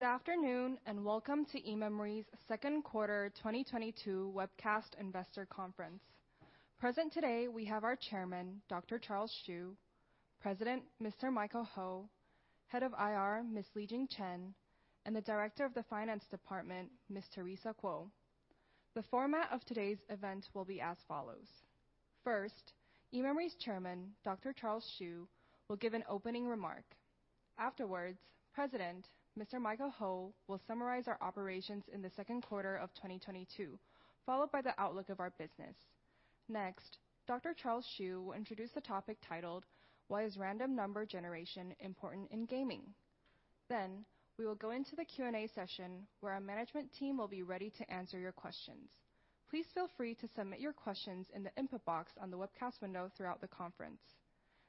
Good afternoon, and welcome to eMemory's second quarter 2022 webcast investor conference. Present today, we have our chairman, Dr. Charles Hsu, President, Mr. Michael Ho, Head of IR, Miss Li-Jeng Chen, and the Director of the Finance Department, Miss Teresa Kuo. The format of today's event will be as follows. First, eMemory's chairman, Dr. Charles Hsu, will give an opening remark. Afterwards, President Mr. Michael Ho will summarize our operations in the second quarter of 2022, followed by the outlook of our business. Next, Dr. Charles Hsu will introduce the topic titled Why Is Random Number Generation Important in Gaming? Then we will go into the Q&A session, where our management team will be ready to answer your questions. Please feel free to submit your questions in the input box on the webcast window throughout the conference.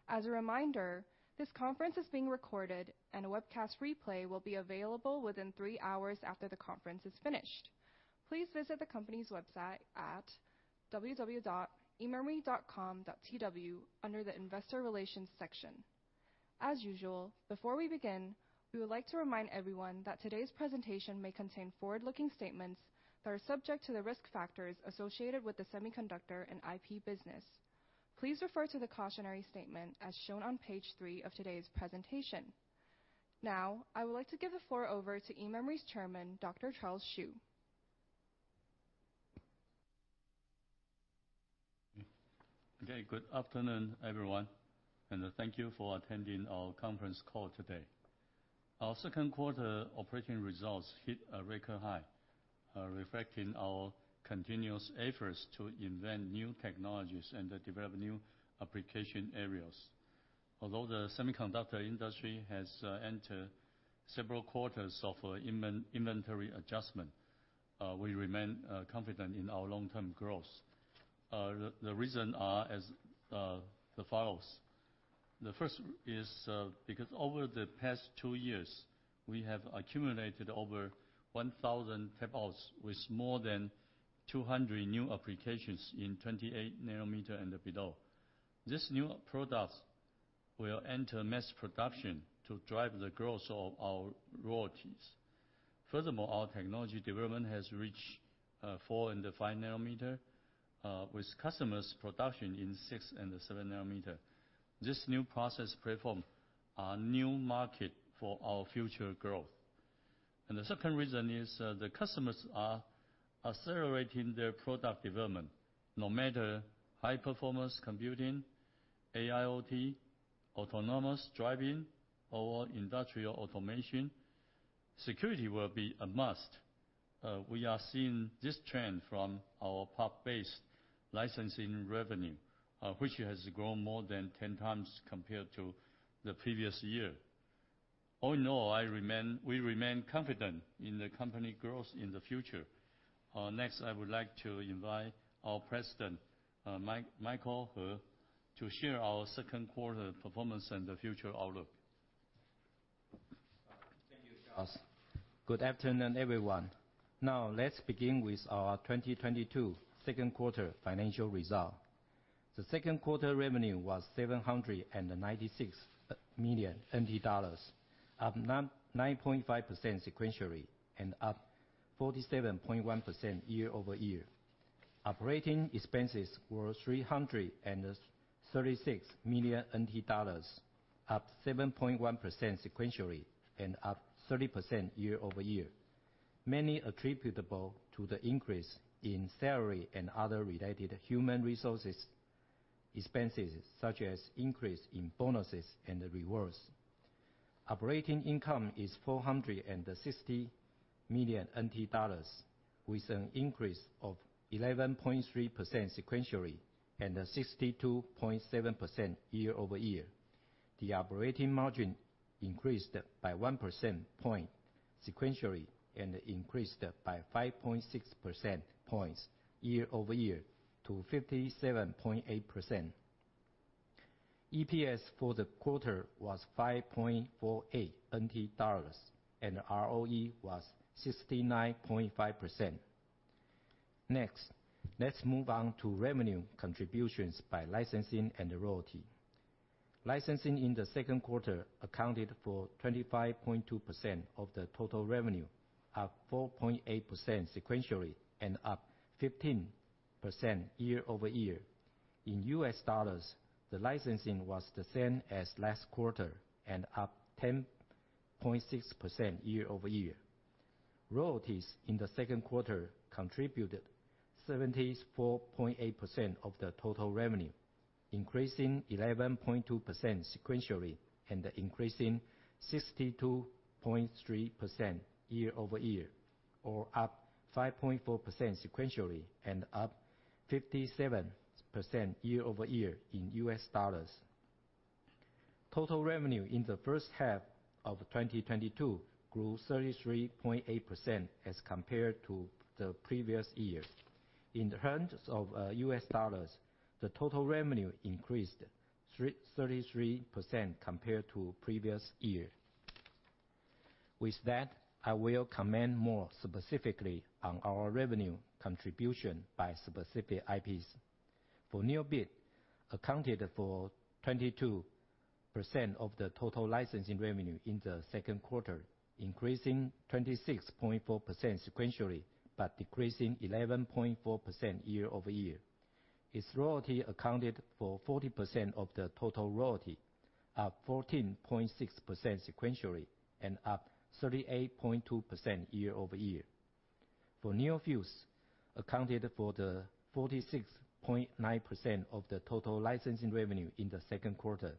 As a reminder, this conference is being recorded and a webcast replay will be available within three hours after the conference is finished. Please visit the company's website at www.ememory.com.tw under the Investor Relations section. As usual, before we begin, we would like to remind everyone that today's presentation may contain forward-looking statements that are subject to the risk factors associated with the semiconductor and IP business. Please refer to the cautionary statement as shown on page three of today's presentation. Now, I would like to give the floor over to eMemory's chairman, Dr. Charles Hsu. Good afternoon, everyone, and thank you for attending our conference call today. Our second quarter operating results hit a record high, reflecting our continuous efforts to invent new technologies and develop new application areas. Although the semiconductor industry has entered several quarters of inventory adjustment, we remain confident in our long-term growth. The reason are as follows. The first is because over the past two years, we have accumulated over 1,000 tape outs with more than 200 new applications in 28 nm and below. These new products will enter mass production to drive the growth of our royalties. Furthermore, our technology development has reached 4 and 5 nm, with customers' production in 6 and 7 nm This new process platform are new market for our future growth. The second reason is, the customers are accelerating their product development. No matter high-performance computing, AIOT, autonomous driving or industrial automation, security will be a must. We are seeing this trend from our PUF-based licensing revenue, which has grown more than 10x compared to the previous year. All in all, we remain confident in the company growth in the future. Next, I would like to invite our president, Michael Ho, to share our second quarter performance and the future outlook. Thank you, Charles. Good afternoon, everyone. Now, let's begin with our 2022 second quarter financial result. The second quarter revenue was 796 million NT dollars, up 9.5% sequentially and up 47.1% year-over-year. Operating expenses were 336 million NT dollars, up 7.1% sequentially and up 30% year-over-year. Mainly attributable to the increase in salary and other related human resources expenses, such as increase in bonuses and rewards. Operating income is 460 million NT dollars with an increase of 11.3% sequentially and 62.7% year-over-year. The operating margin increased by one percentage point sequentially and increased by 5.6 percentage points year-over-year to 57.8%. EPS for the quarter was 5.48 NT dollars and ROE was 69.5%. Next, let's move on to revenue contributions by licensing and royalty. Licensing in the second quarter accounted for 25.2% of the total revenue, up 4.8% sequentially and up 15% year-over-year. In US dollars, the licensing was the same as last quarter and up 10.6% year-over-year. Royalties in the second quarter contributed 74.8% of the total revenue, increasing 11.2% sequentially and increasing 62.3% year-over-year or up 5.4% sequentially and up 57% year-over-year in US dollars. Total revenue in the first half of 2022 grew 33.8% as compared to the previous year. In terms of US dollars, the total revenue increased 33% compared to previous year. With that, I will comment more specifically on our revenue contribution by specific IPs. For NeoBit, accounted for 22% of the total licensing revenue in the second quarter, increasing 26.4% sequentially, but decreasing 11.4% year-over-year. Its royalty accounted for 40% of the total royalty, up 14.6% sequentially and up 38.2% year-over-year. For NeoFuse, accounted for the 46.9% of the total licensing revenue in the second quarter,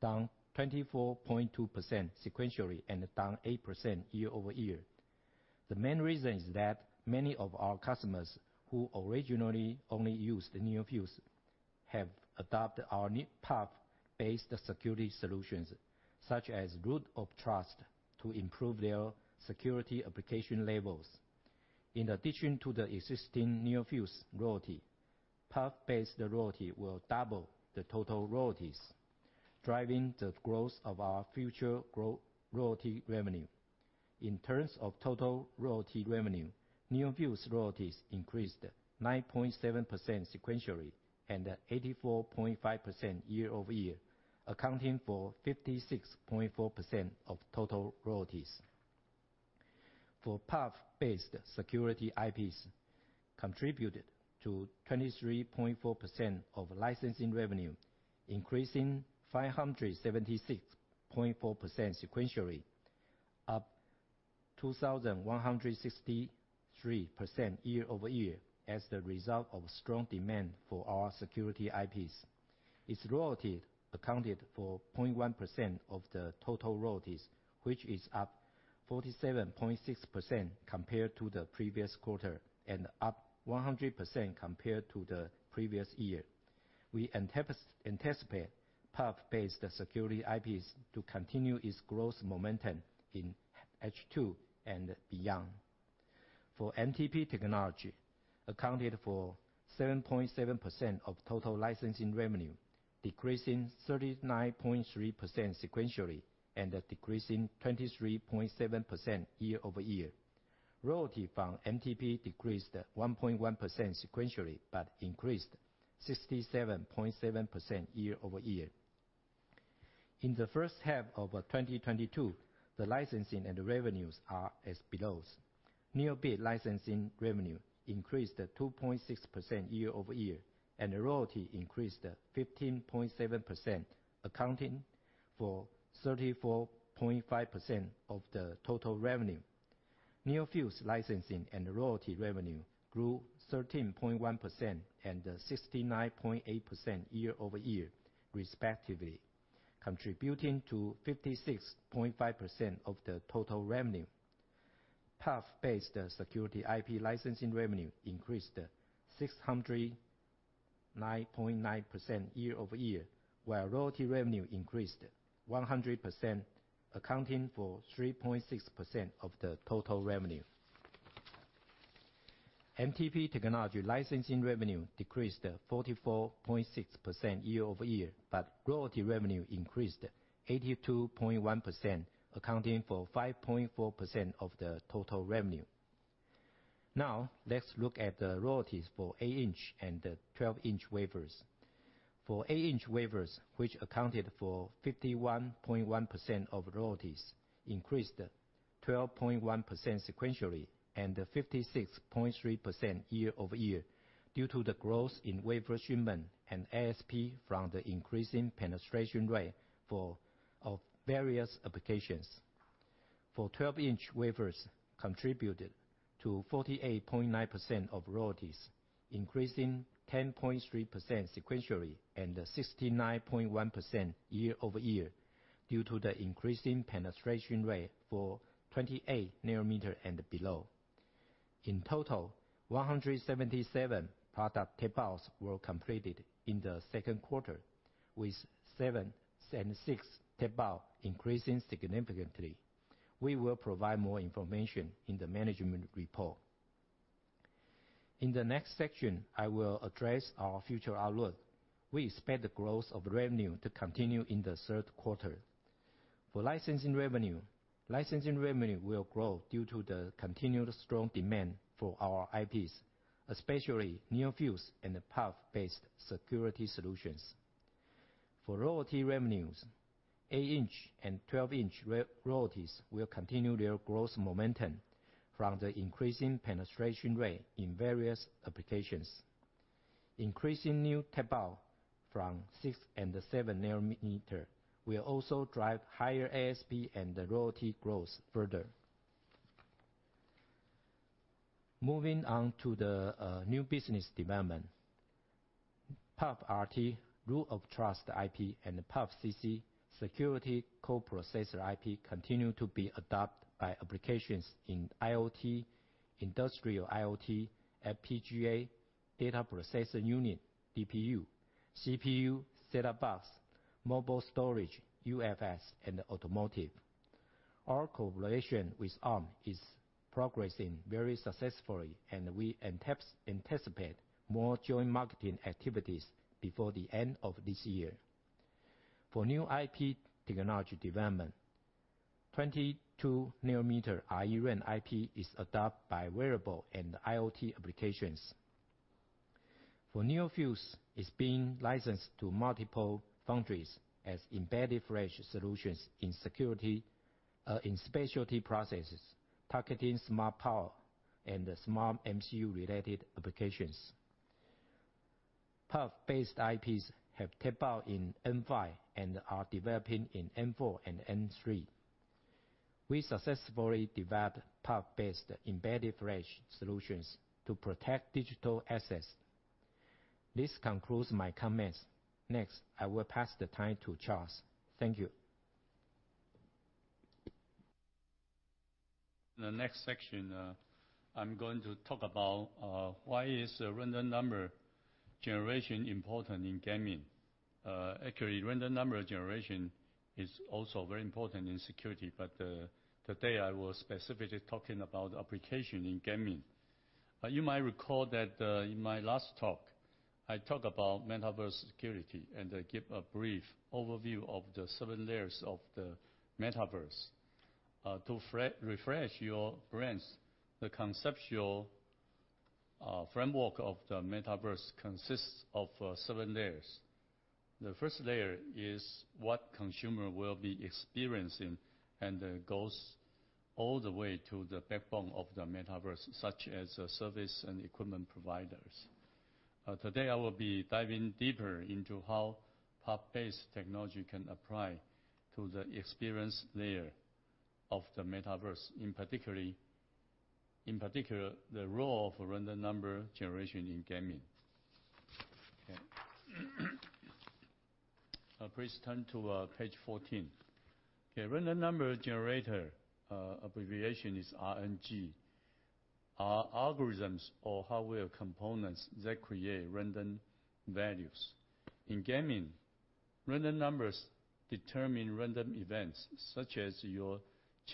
down 24.2% sequentially and down 8% year-over-year. The main reason is that many of our customers who originally only used NeoFuse have adopted our PUF-based security solutions, such as Root of Trust, to improve their security application levels. In addition to the existing NeoFuse royalty, PUF-based royalty will double the total royalties, driving the growth of our future royalty revenue. In terms of total royalty revenue, NeoFuse royalties increased 9.7% sequentially and 84.5% year-over-year, accounting for 56.4% of total royalties. For PUF-based security IPs, contributed to 23.4% of licensing revenue, increasing 576.4% sequentially, up 2,163% year-over-year as the result of strong demand for our security IPs. Its royalty accounted for 0.1% of the total royalties, which is up 47.6% compared to the previous quarter and up 100% compared to the previous year. We anticipate PUF-based security IPs to continue its growth momentum in H2 and beyond. For MTP technology, accounted for 7.7% of total licensing revenue, decreasing 39.3% sequentially and decreasing 23.7% year-over-year. Royalty from MTP decreased 1.1% sequentially, but increased 67.7% year-over-year. In the first half of 2022, the licensing and revenues are as follows. NeoBit licensing revenue increased 2.6% year-over-year, and royalty increased 15.7%, accounting for 34.5% of the total revenue. NeoFuse licensing and royalty revenue grew 13.1% and 69.8% year-over-year, respectively, contributing to 56.5% of the total revenue. PUF-based security IP licensing revenue increased 609.9% year-over-year, while royalty revenue increased 100%, accounting for 3.6% of the total revenue. MTP technology licensing revenue decreased 44.6% year-over-year, but royalty revenue increased 82.1%, accounting for 5.4% of the total revenue. Now, let's look at the royalties for 8 in and 12 in wafers. For 8 in wafers, which accounted for 51.1% of royalties, increased 12.1% sequentially and 56.3% year-over-year due to the growth in wafer shipment and ASP from the increasing penetration rate for of various applications. For 12 in wafers, contributed to 48.9% of royalties, increasing 10.3% sequentially and 69.1% year-over-year due to the increasing penetration rate for 28 nm and below. In total, 177 product tape-outs were completed in the second quarter, with 76 tape-out increasing significantly. We will provide more information in the management report. In the next section, I will address our future outlook. We expect the growth of revenue to continue in the third quarter. For licensing revenue, licensing revenue will grow due to the continued strong demand for our IPs, especially NeoFuse and the PUF-based security solutions. For royalty revenues, 8 in and 12 in royalties will continue their growth momentum from the increasing penetration rate in various applications. Increasing new tape-out from 6 and 7 nm will also drive higher ASP and the royalty growth further. Moving on to the new business development. PUF-RT, Root of Trust IP, and PUFcc, Security Co-Processor IP, continue to be adopted by applications in IoT, industrial IoT, FPGA, data processor unit, DPU, CPU, set-top box, mobile storage, UFS, and automotive. Our cooperation with Arm is progressing very successfully, and we anticipate more joint marketing activities before the end of this year. For new IP technology development, 22 nm eNVM IP is adopted by wearable and IoT applications. For NeoFuse, it's being licensed to multiple foundries as embedded flash solutions in security in specialty processes, targeting smart power and smart MCU-related applications. PUF-based IPs have tape out in N5 and are developing in N4 and N3. We successfully developed PUF-based embedded flash solutions to protect digital assets. This concludes my comments. Next, I will pass the time to Charles. Thank you. The next section, I'm going to talk about why is random number generation important in gaming? Actually, random number generation is also very important in security, but today I was specifically talking about application in gaming. You might recall that, in my last talk, I talked about metaverse security and gave a brief overview of the seven layers of the metaverse. To refresh your brains, the conceptual framework of the metaverse consists of seven layers. The first layer is what consumer will be experiencing and goes all the way to the backbone of the metaverse, such as the service and equipment providers. Today I will be diving deeper into how PUF-based technology can apply to the experience layer of the metaverse, in particular, the role of random number generation in gaming. Okay. Please turn to page 14. Okay, random number generator, abbreviation is RNG, are algorithms or hardware components that create random values. In gaming, random numbers determine random events, such as your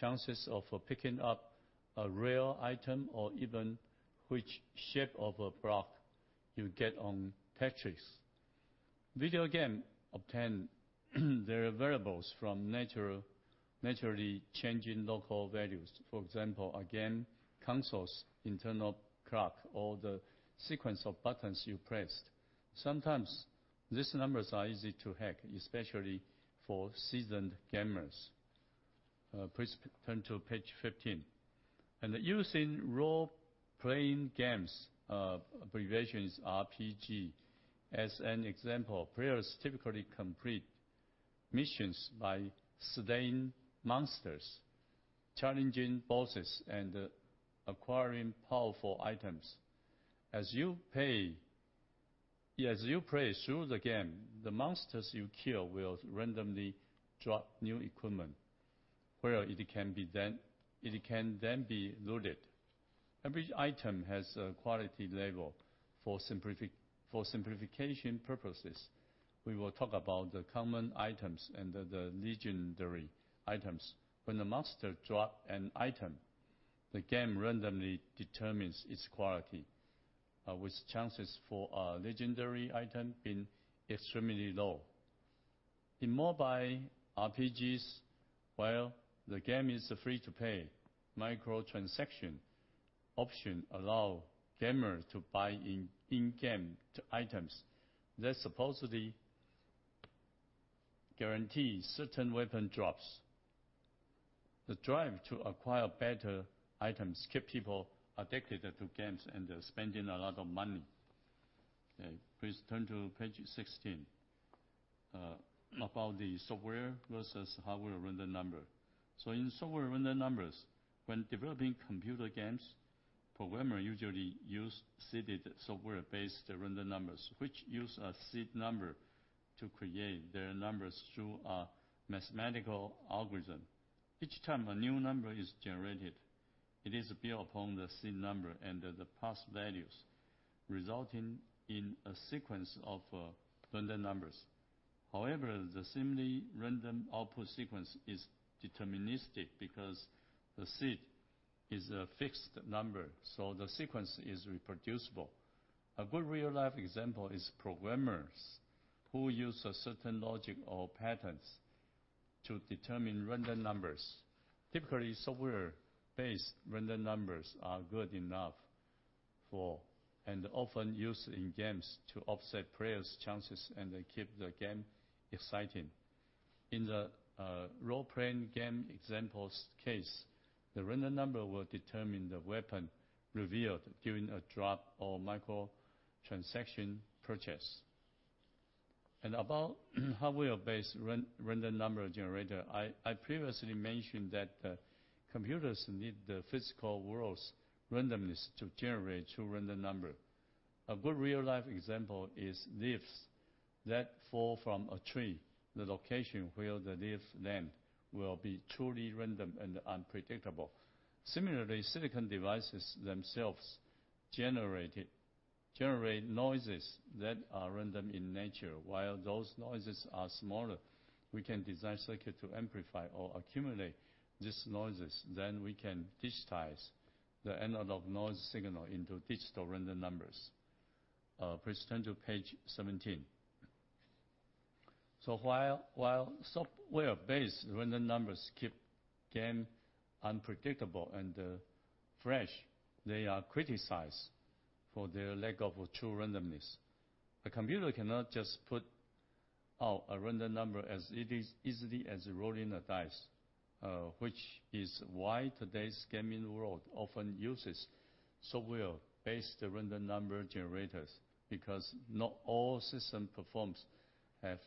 chances of picking up a rare item or even which shape of a block you get on Tetris. Video games obtain their variables from naturally changing local values. For example, a game console's internal clock or the sequence of buttons you pressed. Sometimes these numbers are easy to hack, especially for seasoned gamers. Please turn to page 15. Using role-playing games, abbreviation is RPG, as an example, players typically complete missions by slaying monsters, challenging bosses, and acquiring powerful items. As you play through the game, the monsters you kill will randomly drop new equipment where it can then be looted. Every item has a quality level. For simplification purposes, we will talk about the common items and the legendary items. When the monster drop an item, the game randomly determines its quality, with chances for a legendary item being extremely low. In mobile RPGs, while the game is free to play, micro transaction option allow gamer to buy in-game items that supposedly guarantee certain weapon drops. The drive to acquire better items keep people addicted to games, and they're spending a lot of money. Okay, please turn to page 16. About the software versus hardware random number. In software random numbers, when developing computer games, programmer usually use seeded software-based random numbers, which use a seed number to create their numbers through a mathematical algorithm. Each time a new number is generated, it is built upon the seed number and the past values, resulting in a sequence of random numbers. However, the seemingly random output sequence is deterministic because the seed is a fixed number, so the sequence is reproducible. A good real-life example is programmers who use a certain logic or patterns to determine random numbers. Typically, software-based random numbers are good enough for and often used in games to offset players' chances and they keep the game exciting. In the role-playing game example's case, the random number will determine the weapon revealed during a drop or micro transaction purchase. About hardware-based random number generator, I previously mentioned that computers need the physical world's randomness to generate true random number. A good real-life example is leaves that fall from a tree. The location where the leaves land will be truly random and unpredictable. Similarly, silicon devices themselves generate noises that are random in nature. While those noises are smaller, we can design circuit to amplify or accumulate these noises, then we can digitize the analog noise signal into digital random numbers. Please turn to page 17. While software-based random numbers keep game unpredictable and fresh, they are criticized for their lack of true randomness. A computer cannot just put out a random number as easily as rolling a dice, which is why today's gaming world often uses software-based random number generators, because not all system platforms have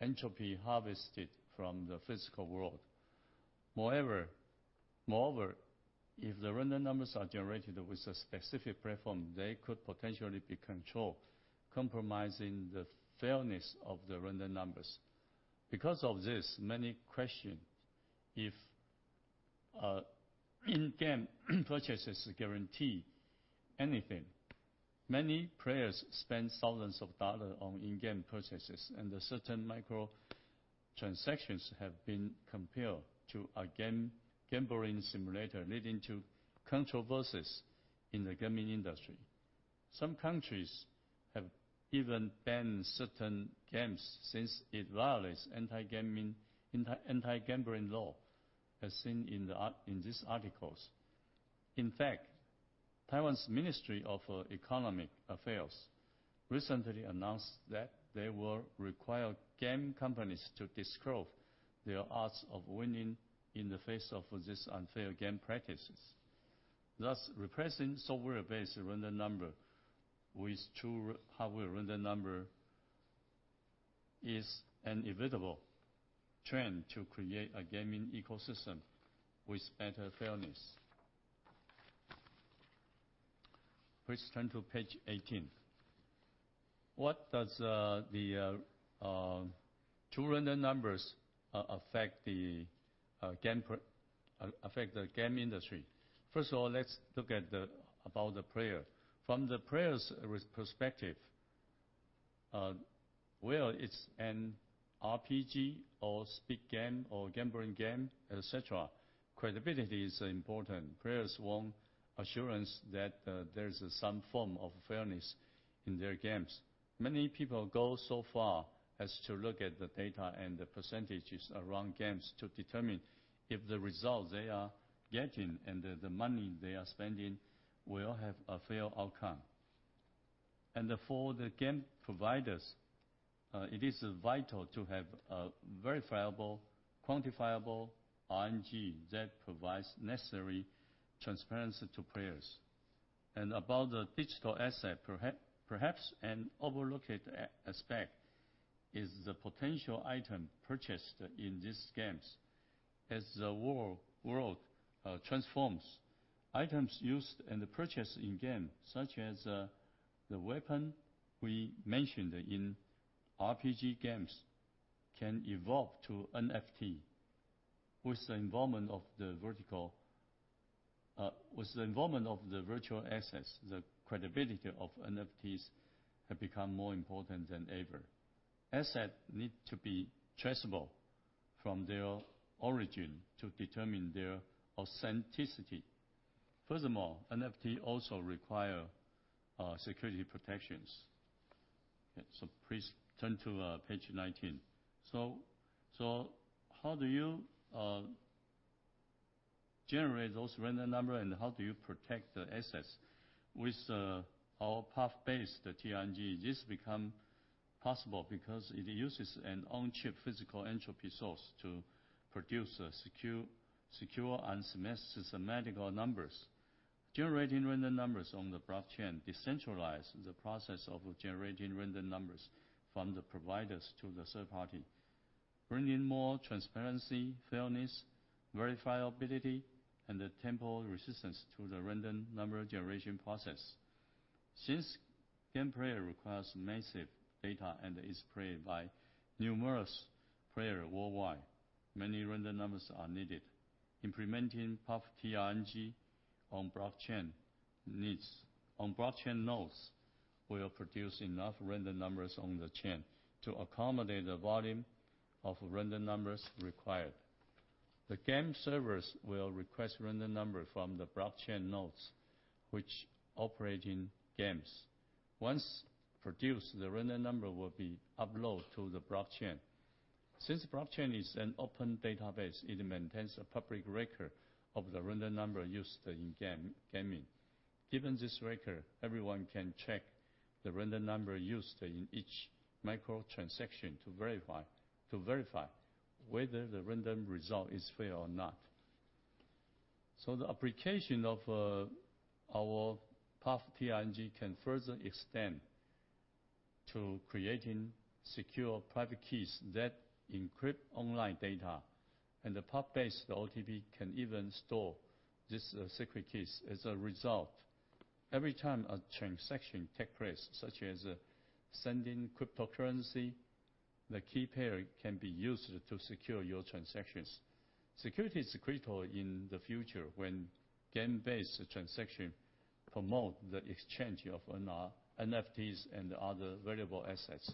entropy harvested from the physical world. Moreover, if the random numbers are generated with a specific platform, they could potentially be controlled, compromising the fairness of the random numbers. Because of this, many question if in-game purchases guarantee anything. Many players spend thousands of dollars on in-game purchases, and the certain micro transactions have been compared to a game-gambling simulator, leading to controversies in the gaming industry. Some countries have even banned certain games since it violates anti-gambling law, as seen in these articles. In fact, Taiwan's Ministry of Economic Affairs recently announced that they will require game companies to disclose their odds of winning in the face of these unfair game practices. Thus, replacing software-based random number with true hardware random number is an inevitable trend to create a gaming ecosystem with better fairness. Please turn to page 18. What does the true random numbers affect the game industry? First of all, let's look about the player. From the player's perspective, well, it's an RPG or speed game or gambling game, et cetera. Credibility is important. Players want assurance that there is some form of fairness in their games. Many people go so far as to look at the data and the percentages around games to determine if the results they are getting and the money they are spending will have a fair outcome. For the game providers, it is vital to have a verifiable, quantifiable RNG that provides necessary transparency to players. About the digital asset perhaps an overlooked aspect is the potential item purchased in these games. As the world transforms, items used and purchased in-game, such as the weapon we mentioned in RPG games, can evolve to NFT. With the involvement of the virtual assets, the credibility of NFTs have become more important than ever. Assets need to be traceable from their origin to determine their authenticity. Furthermore, NFTs also require security protections. Please turn to page 19. How do you generate those random numbers and how do you protect the assets? With our PUF-based TRNG, this become possible because it uses an on-chip physical entropy source to produce a secure and systematic numbers. Generating random numbers on the blockchain decentralize the process of generating random numbers from the providers to the third party, bringing more transparency, fairness, verifiability, and the tamper resistance to the random number generation process. Since game play requires massive data and is played by numerous players worldwide, many random numbers are needed. Implementing PUF TRNG on blockchain nodes will produce enough random numbers on the chain to accommodate the volume of random numbers required. The game servers will request random number from the blockchain nodes, which operate in games. Once produced, the random number will be uploaded to the blockchain. Since blockchain is an open database, it maintains a public record of the random number used in gaming. Given this record, everyone can check the random number used in each micro transaction to verify whether the random result is fair or not. The application of our PUF TRNG can further extend to creating secure private keys that encrypt online data. The PUF-based OTP can even store these secret keys as a result. Every time a transaction takes place, such as sending cryptocurrency, the key pair can be used to secure your transactions. Security is critical in the future when game-based transaction promote the exchange of NFTs and other valuable assets.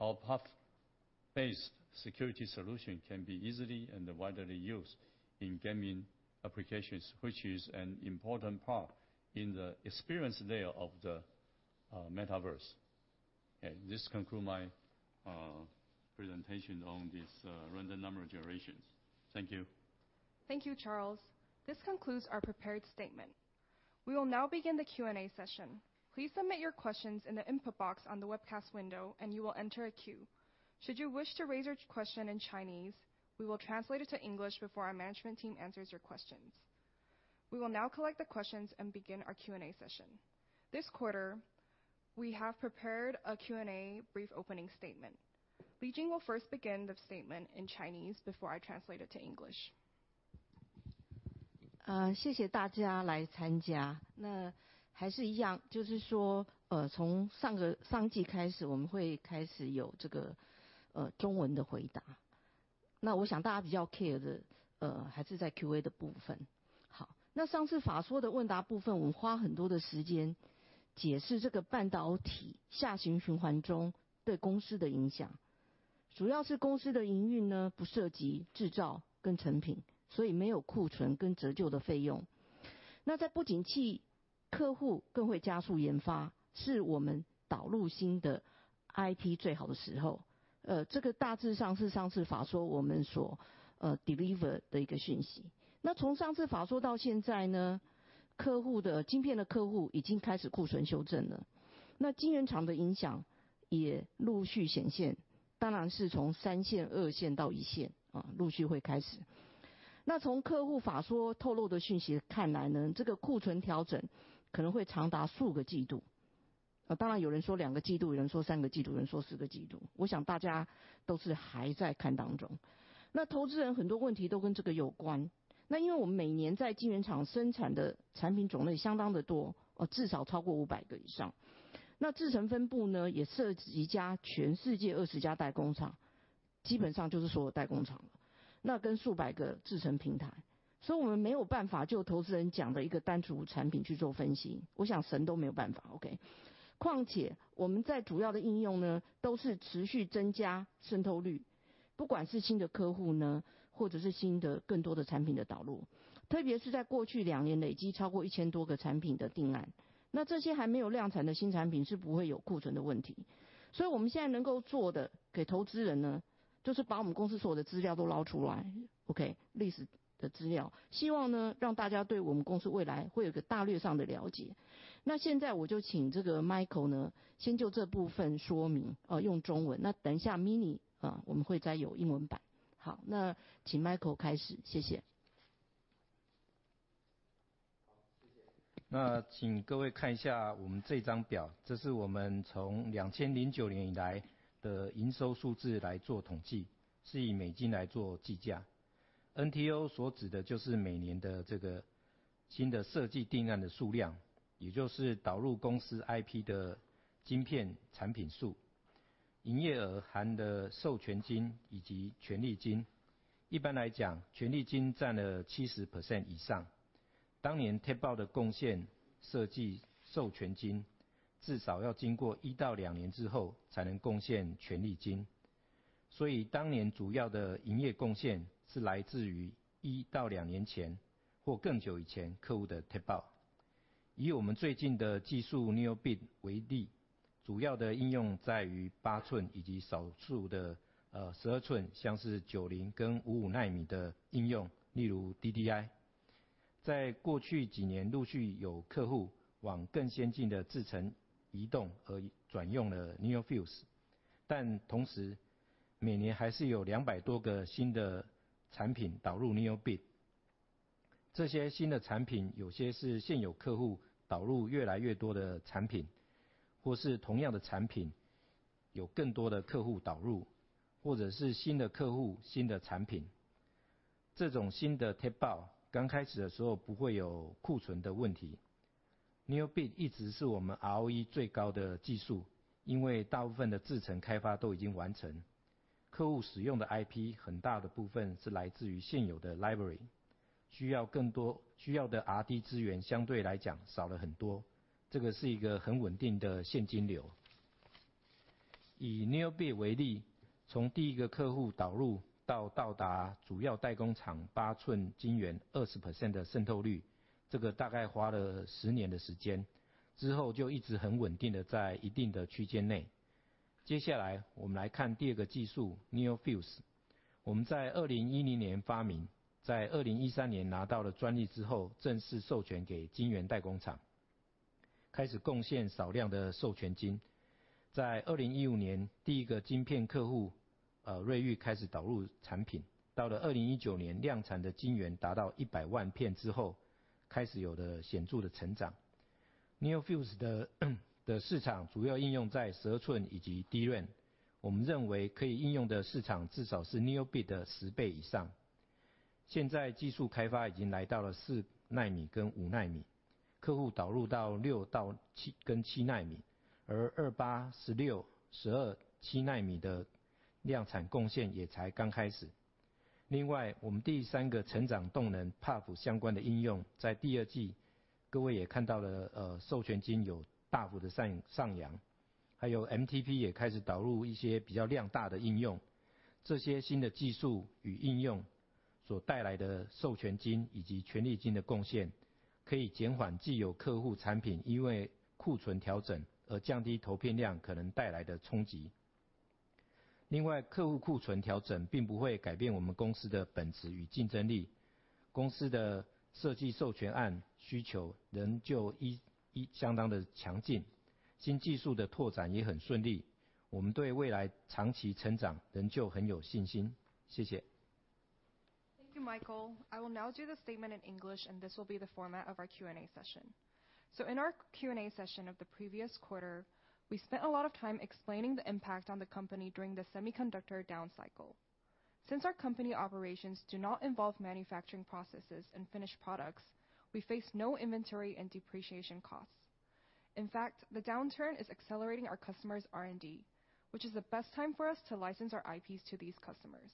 Our PUF-based security solution can be easily and widely used in gaming applications, which is an important part in the experience layer of the metaverse. This conclude my presentation on this random number generation. Thank you. Thank you, Charles. This concludes our prepared statement. We will now begin the Q&A session. Please submit your questions in the input box on the webcast window and you will enter a queue. Should you wish to raise your question in Chinese, we will translate it to English before our management team answers your questions. We will now collect the questions and begin our Q&A session. This quarter, we have prepared a Q&A brief opening statement. Li-Jeng will first begin the statement in Chinese before I translate it to English. 谢谢大家来参加。那还是一样，就是说从上个上季开始，我们会开始有这个中文的回答。那我想大家比较care的还是在QA的部分。好，那上次法说的问答部分，我们花很多的时间解释这个半导体下行循环中对公司的影响，主要是公司的营运呢不涉及制造跟成品，所以没有库存跟折旧的费用。那在不景气，客户更会加速研发，是我们导入新的IP最好的时候。这个大致上是上次法说我们所deliver的一个讯息。那从上次法说到现在呢，客户的、晶片的客户已经开始库存修正了，那晶圆厂的影响也陆续显现，当然是从三线、二线到一线，陆续会开始。那从客户法说透露的信息看来呢，这个库存调整可能会长达数个季度。当然有人说两个季度，有人说三个季度，有人说四个季度，我想大家都是还在看当中。那投资人很多问题都跟这个有关，那因为我们每年在晶圆厂生产的产品种类相当的多，至少超过五百个以上。那制程分布呢也涉及全世界二十家代工厂，基本上就是所有代工厂，那跟数百个制程平台。所以我们没有办法就投资人讲的一个单独产品去做分析，我想神都没有办法，OK。况且我们在主要的应用呢都是持续增加渗透率，不管是新的客户呢，或者是新的更多的产品的导入，特别是在过去两年累积超过一千多个产品的订单，那这些还没有量产的新产品是不会有库存的问题。所以我们现在能够做的给投资人呢，就是把我们公司所有的资料都捞出来，OK，历史的资料，希望呢让大家对我们公司未来会有一个大略上的了解。那现在我就请这个Michael呢先就这部分说明，用中文，那等一下Mini我们会再有英文版。好，那请Michael开始。谢谢。Thank you, Michael. I will now do the statement in English and this will be the format of our Q&A session. In our Q&A session of the previous quarter, we spent a lot of time explaining the impact on the company during the semiconductor down cycle. Since our company operations do not involve manufacturing processes and finished products, we face no inventory and depreciation costs. In fact, the downturn is accelerating our customers' R&D, which is the best time for us to license our IPs to these customers.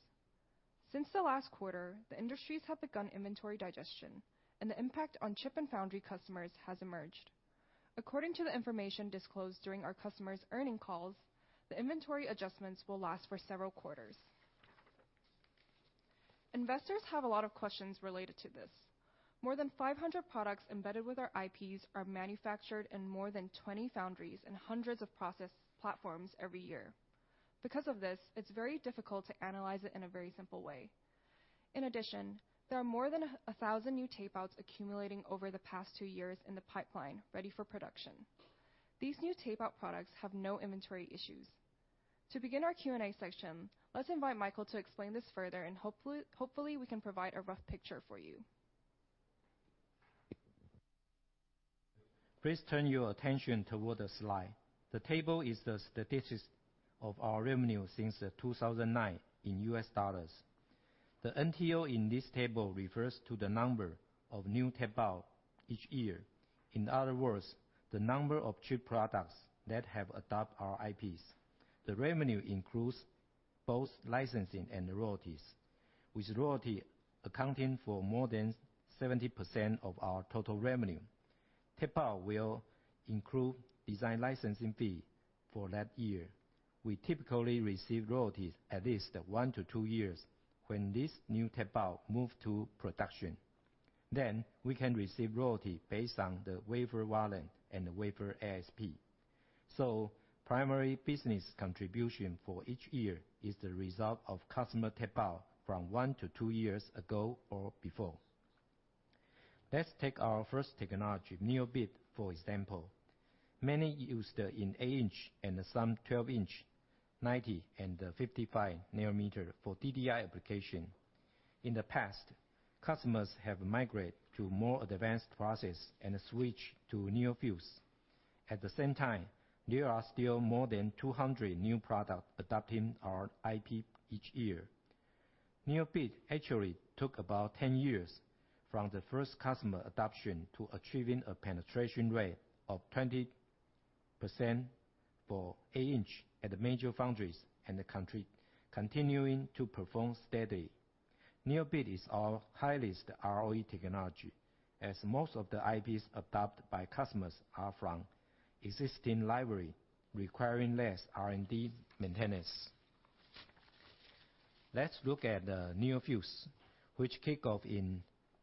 Since the last quarter, the industries have begun inventory digestion, and the impact on chip and foundry customers has emerged. According to the information disclosed during our customers' earnings calls, the inventory adjustments will last for several quarters. Investors have a lot of questions related to this. More than 500 products embedded with our IPs are manufactured in more than 20 foundries and hundreds of process platforms every year. Because of this, it's very difficult to analyze it in a very simple way. In addition, there are more than 1,000 new tape outs accumulating over the past two years in the pipeline ready for production. These new tape out products have no inventory issues. To begin our Q&A section, let's invite Michael to explain this further, and hopefully, we can provide a rough picture for you. Please turn your attention toward the slide. The table is the statistics of our revenue since 2009 in US dollars. The NTO in this table refers to the number of new tape out each year. In other words, the number of chip products that have adopt our IPs. The revenue includes both licensing and royalties, with royalty accounting for more than 70% of our total revenue. Tape out will include design licensing fee for that year. We typically receive royalties at least 1-2 years when this new tape out move to production. Then, we can receive royalty based on the wafer volume and the wafer ASP. Primary business contribution for each year is the result of customer tape out from 1-2 years ago or before. Let's take our first technology, NeoBit, for example. Mainly used in 8 in and some 12 in 90 and 55 nm for DDI application. In the past, customers have migrate to more advanced process and switch to NeoFuse. At the same time, there are still more than 200 new product adopting our IP each year. NeoBit actually took about 10 years from the first customer adoption to achieving a penetration rate of 20% for 8 in at the major foundries and the country, continuing to perform steadily. NeoBit is our highest ROE technology, as most of the IPs adopted by customers are from existing library, requiring less R&D maintenance. Let's look at the NeoFuse, which kick off in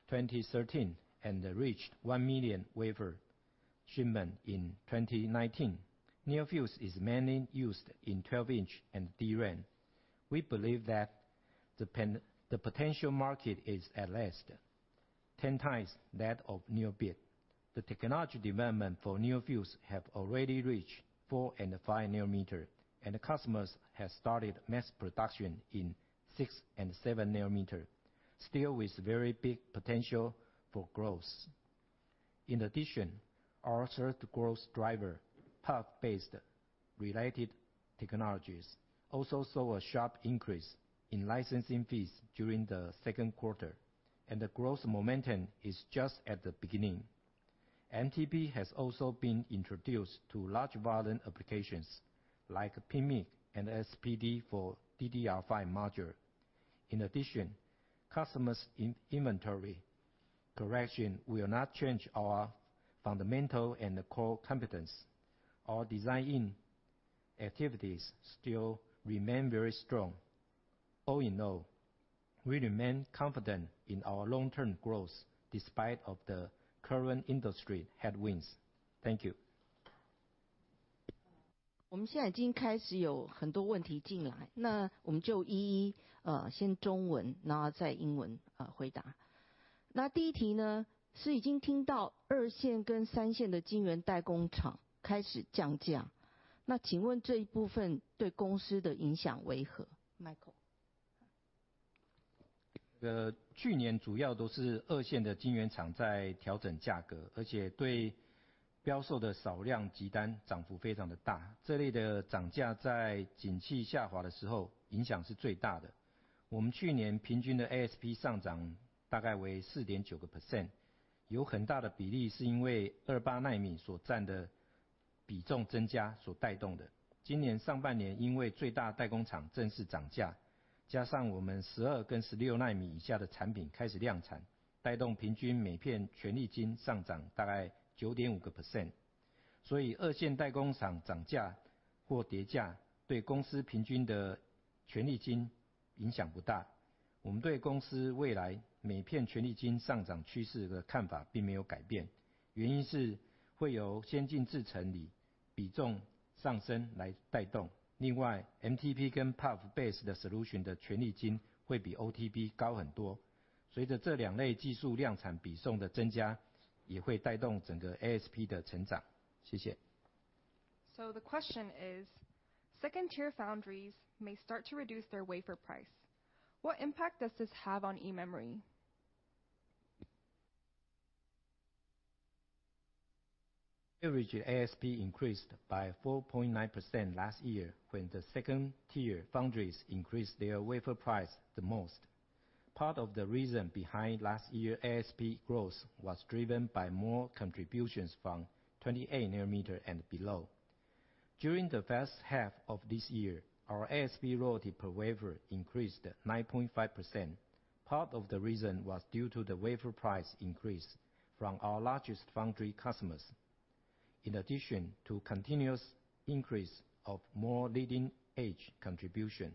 2013 and reached 1 million wafer shipment in 2019. NeoFuse is mainly used in 12 in and DRAM. We believe that the potential market is at least 10x that of NeoBit. The technology development for NeoFuse has already reached 4 and 5 nm and the customers have started mass production in 6 and 7 nm, still with very big potential for growth. In addition, our third growth driver, PUF-based related technologies, also saw a sharp increase in licensing fees during the second quarter, and the growth momentum is just at the beginning. MTP has also been introduced to large volume applications like PMIC and SPD for DDR5 module. In addition, customers' inventory correction will not change our fundamental and core competence. Our design activities still remain very strong. All in all, we remain confident in our long-term growth despite the current industry headwinds. Thank you. 我们现在已经开始有很多问题进来，那我们就一一，先中文，然后再英文，回答。那第一题呢，是已经听到二线跟三线的晶圆代工厂开始降价，那请问这一部分对公司的影响为何？Michael。去年主要都是二线的晶圆厂在调整价格，而且对标售的少量急单涨幅非常的大，这类的涨价在景气下滑的时候影响是最大的。我们去年平均的ASP上涨大概为4.9%，有很大的比例是因为二八奈米所占的比重增加所带动的。今年上半年，因为最大代工厂正式涨价，加上我们12跟16奈米以下的产品开始量产，带动平均每片权利金上涨大概9.5%。所以二线代工厂涨价或跌价，对公司平均的权利金影响不大。我们对公司未来每片权利金上涨趋势的看法并没有改变，原因是会由先进制程比重上升来带动。另外，MTP跟PUF-based solution的权利金会比OTP高很多，随着这两类技术量产比重的增加，也会带动整个ASP的成长。谢谢。The question is, second-tier foundries may start to reduce their wafer price. What impact does this have on eMemory? Average ASP increased by 4.9% last year when the second tier foundries increased their wafer price the most. Part of the reason behind last year ASP growth was driven by more contributions from 28 nm and below. During the first half of this year, our ASP royalty per wafer increased 9.5%. Part of the reason was due to the wafer price increase from our largest foundry customers. In addition to continuous increase of more leading edge contribution.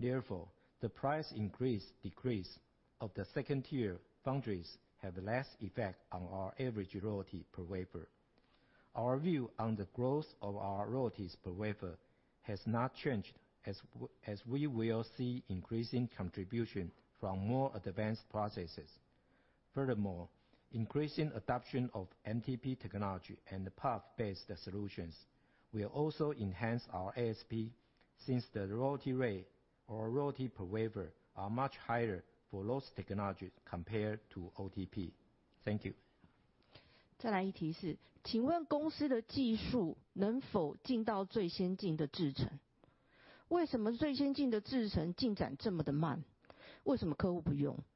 Therefore, the price increase, decrease of the second tier foundries have less effect on our average royalty per wafer. Our view on the growth of our royalties per wafer has not changed as we will see increasing contribution from more advanced processes. Furthermore, increasing adoption of MTP technology and the PUF-based solutions will also enhance our ASP. Since the royalty rate or royalty per wafer are much higher for those technologies compared to OTP. Thank you. 再来一题是，请问公司的技术能否进到最先进的制程？为什么最先进的制程进展这么的慢？为什么客户不用？那大部分先进制程的客户用什么？Michael。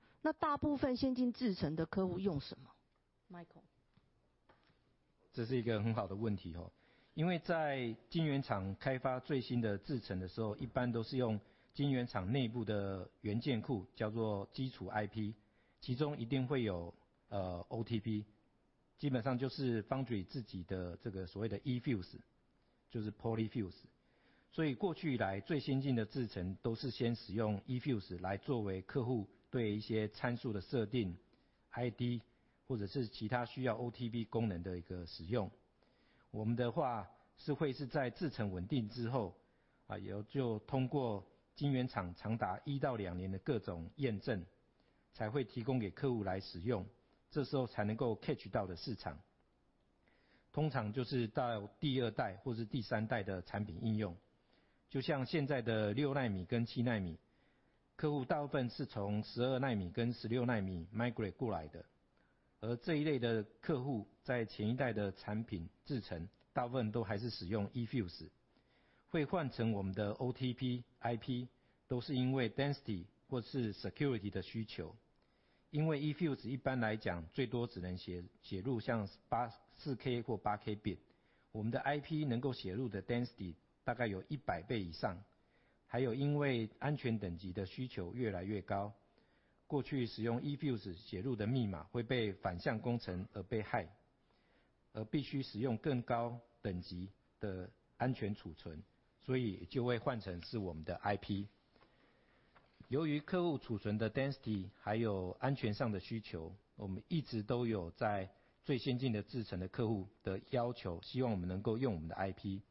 b。我们的IP能够写入的density大概有100倍以上。还有因为安全等级的需求越来越高，过去使用eFuse写入的密码会被反向工程而被害，而必须使用更高等级的安全储存，所以就会换成是我们的IP。由于客户储存的density，还有安全上的需求，我们一直都有在最先进的制程的客户的要求，希望我们能够用我们的IP。加上我们最近跟Arm合作的机密运算新的Armv9的架构，很多最先进制程的客户会有这方面的需求，所以我们正密切跟主要代工厂讨论如何加速我们的IP在最先进制程的验证开展。谢谢。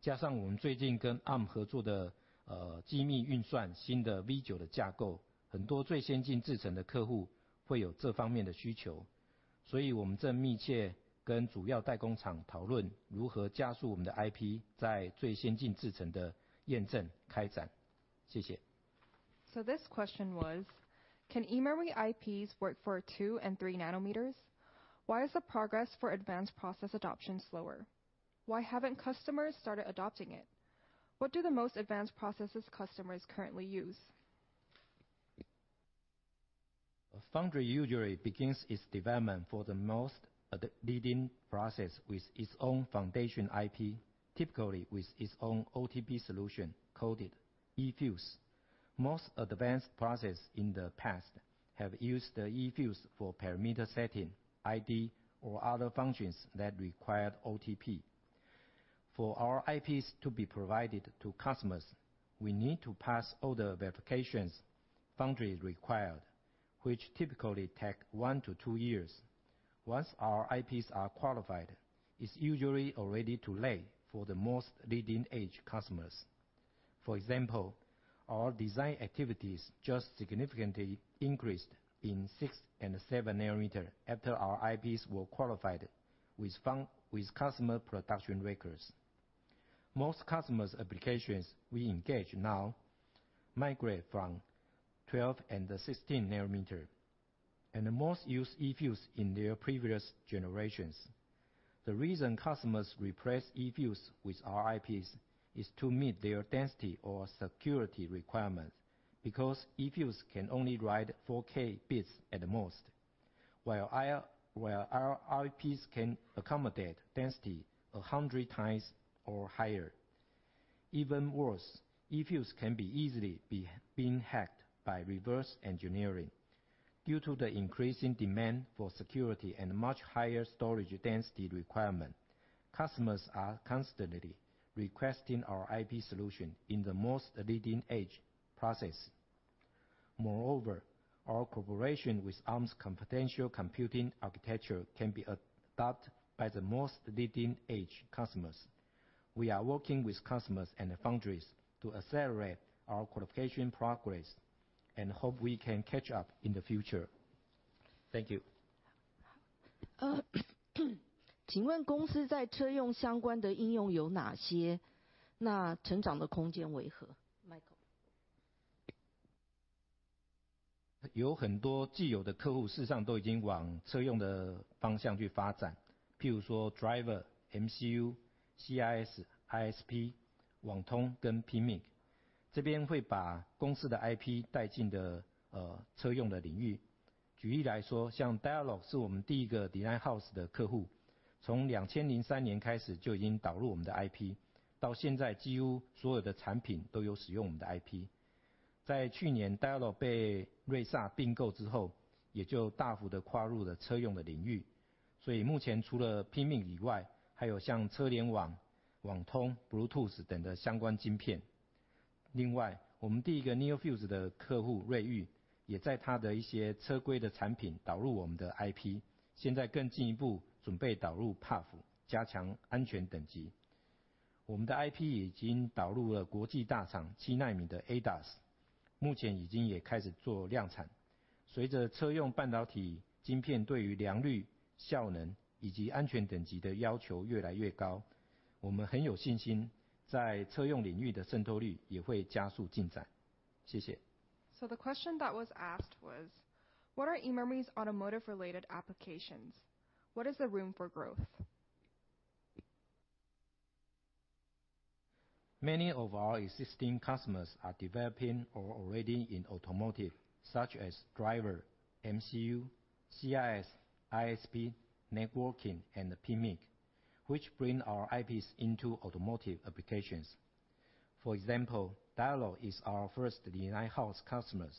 This question was can eMemory IPs work for 2 and 3 nm? Why is the progress for advanced process adoption slower? Why haven't customers started adopting it? What do the most advanced processes customers currently use? Foundry usually begins its development for the most leading process with its own foundation IP, typically with its own OTP solution called eFuse. Most advanced processes in the past have used the eFuse for parameter setting, ID or other functions that required OTP. For our IPs to be provided to customers, we need to pass all the verifications foundry required, which typically take 1-2 years. Once our IPs are qualified, it's usually already too late for the most leading edge customers. For example, our design activities just significantly increased in 6 and 7 nm after our IPs were qualified with customer production records. Most customers' applications we engage now migrate from 12 and 16 nm, and most use eFuse in their previous generations. The reason customers replace eFuse with our IPs is to meet their density or security requirements. Because eFuse can only write 4K b at the most, while our IPs can accommodate density 100x or higher. Even worse, eFuse can be easily hacked by reverse engineering. Due to the increasing demand for security and much higher storage density requirements, customers are constantly requesting our IP solution in the most leading-edge process. Moreover, our cooperation with Arm's confidential computing architecture can be adopted by the most leading-edge customers. We are working with customers and foundries to accelerate our qualification progress and hope we can catch up in the future. Thank you. 请问公司在车用相关的应用有哪些？那成长的空间为何？Michael。有很多既有的客户事实上都已经往车用的方向去发展，譬如说driver、MCU、CIS、ISP、网通跟PMIC，这边会把公司的IP带进车用的领域。举例来说，像Dialog是我们第一个design The question that was asked was, what are eMemory's automotive related applications? What is the room for growth? Many of our existing customers are developing or already in automotive, such as driver, MCU, CIS, ISP, networking, and PMIC, which bring our IPs into automotive applications. For example, Dialog Semiconductor is our first design house customers.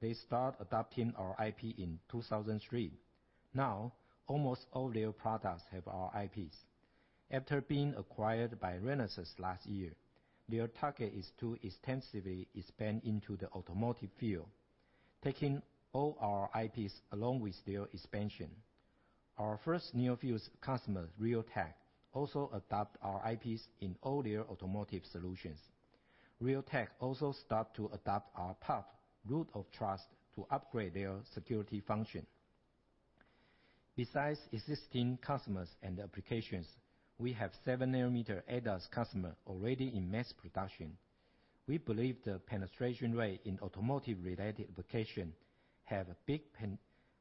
They start adopting our IP in 2003. Now almost all their products have our IPs. After being acquired by Renesas last year, their target is to extensively expand into the automotive field, taking all our IPs along with their expansion. Our first NeoFuse customer, Realtek, also adopt our IPs in all their automotive solutions. Realtek also start to adopt our PUF Root of Trust to upgrade their security function. Besides existing customers and applications, we have 7 nm ADAS customer already in mass production. We believe the penetration rate in automotive related application have a big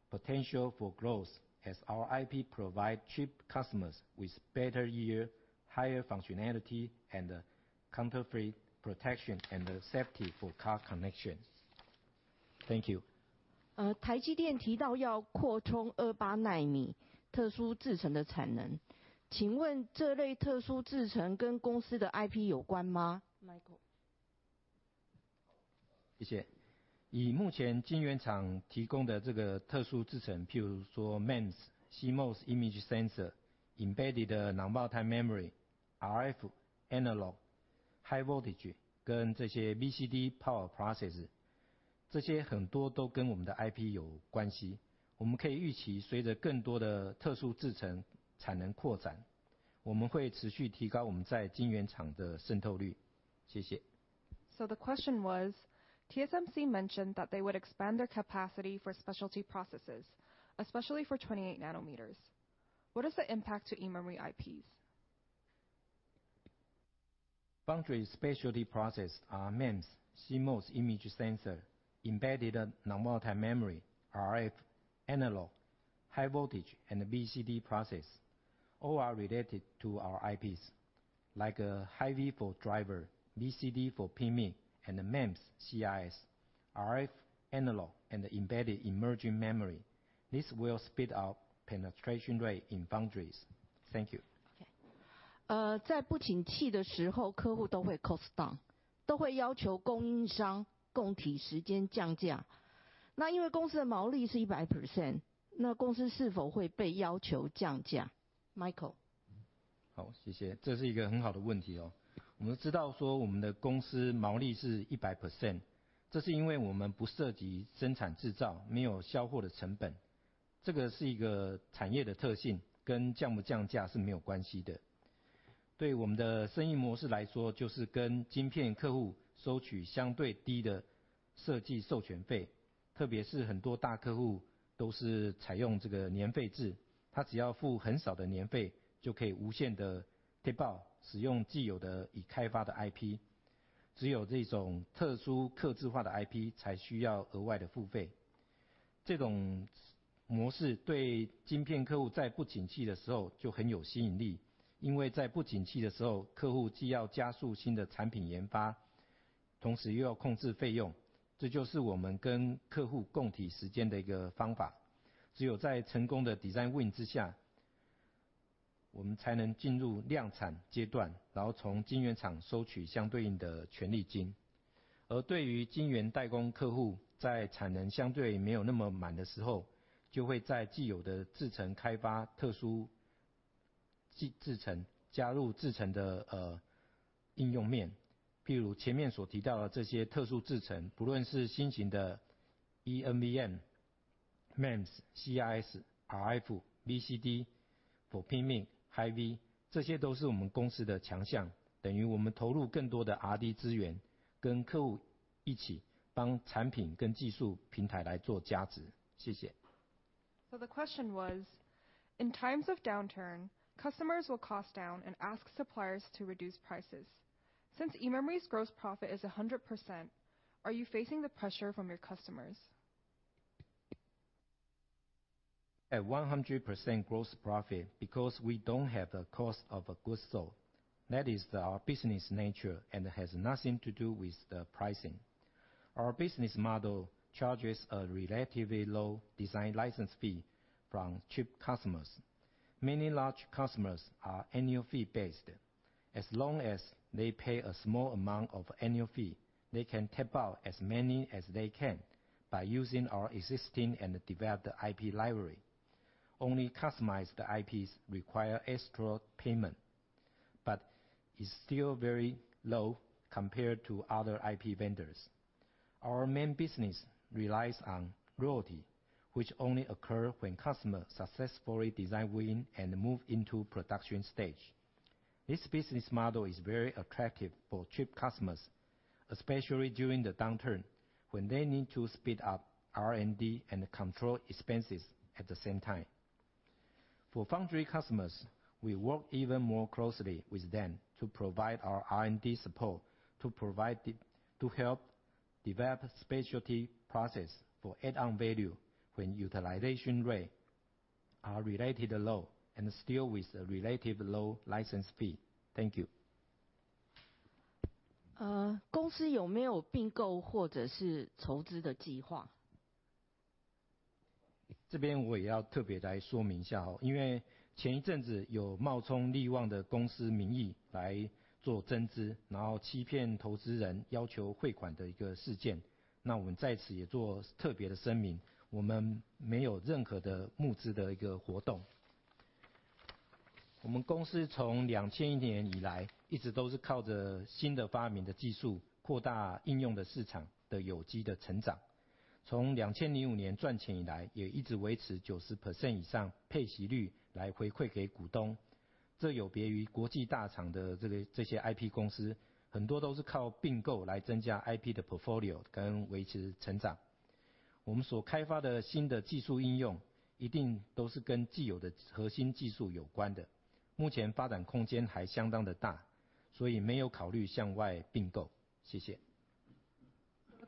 potential for growth as our IP provide chip customers with better yield, higher functionality, and counterfeit protection and safety for car connection. Thank you. 台積電提到要擴充二十八奈米特殊製程的產能，請問這類特殊製程跟公司的IP有關嗎？Michael。谢谢。以目前晶圆厂提供的这个特殊制程，譬如说MEMS、CMOS image sensor、embedded non-volatile memory、RF analog、high voltage跟这些BCD power process，这些很多都跟我们的IP有关系。我们可以预期，随着更多的特殊制程产能扩展，我们会持续提高我们在晶圆厂的渗透率。谢谢。The question was, TSMC mentioned that they would expand their capacity for specialty processes, especially for 28 nm. What is the impact to eMemory IPs? Foundry's specialty process are MEMS, CMOS image sensor, embedded non-volatile memory, RF, analog, high-voltage, and BCD process. All are related to our IPs, like a high-V for driver, BCD for PMIC, and the MEMS, CIS, RF, analog, and the embedded emerging memory. This will speed up penetration rate in foundries. Thank you. 在不景气的时候，客户都会 cost down，都会要求供应商供给时间降价。那因为公司的毛利是 100%，那公司是否会被要求降价？Michael。win之下，我们才能进入量产阶段，然后从晶圆厂收取相对应的权利金。而对于晶圆代工客户，在产能相对没有那么满的时候，就会在既有的制程开发特殊制程，加入制程的应用面。譬如前面所提到的这些特殊制程，不论是新型的eNVM、MEMS、CIS、RF、BCD、FinFET mixed-signal、High-voltage，这些都是我们公司的强项，等于我们投入更多的RD资源，跟客户一起帮产品跟技术平台来做加值。谢谢。The question was, in times of downturn, customers will cost down and ask suppliers to reduce prices. Since eMemory's gross profit is 100%, are you facing the pressure from your customers? At 100% gross profit because we don't have the cost of goods sold. That is our business nature and has nothing to do with the pricing. Our business model charges a relatively low design license fee from chip customers. Many large customers are annual fee based. As long as they pay a small amount of annual fee, they can tape out as many as they can by using our existing and developed IP library. Only customized IPs require extra payment, but it's still very low compared to other IP vendors. Our main business relies on royalty, which only occur when customer successfully design win and move into production stage. This business model is very attractive for chip customers, especially during the downturn, when they need to speed up R&D and control expenses at the same time. For foundry customers, we work even more closely with them to provide our R&D support to help develop specialty process for added value when utilization rates are relatively low and still with a relatively low license fee. Thank you. 公司有没有并购或者是筹资的计划？ The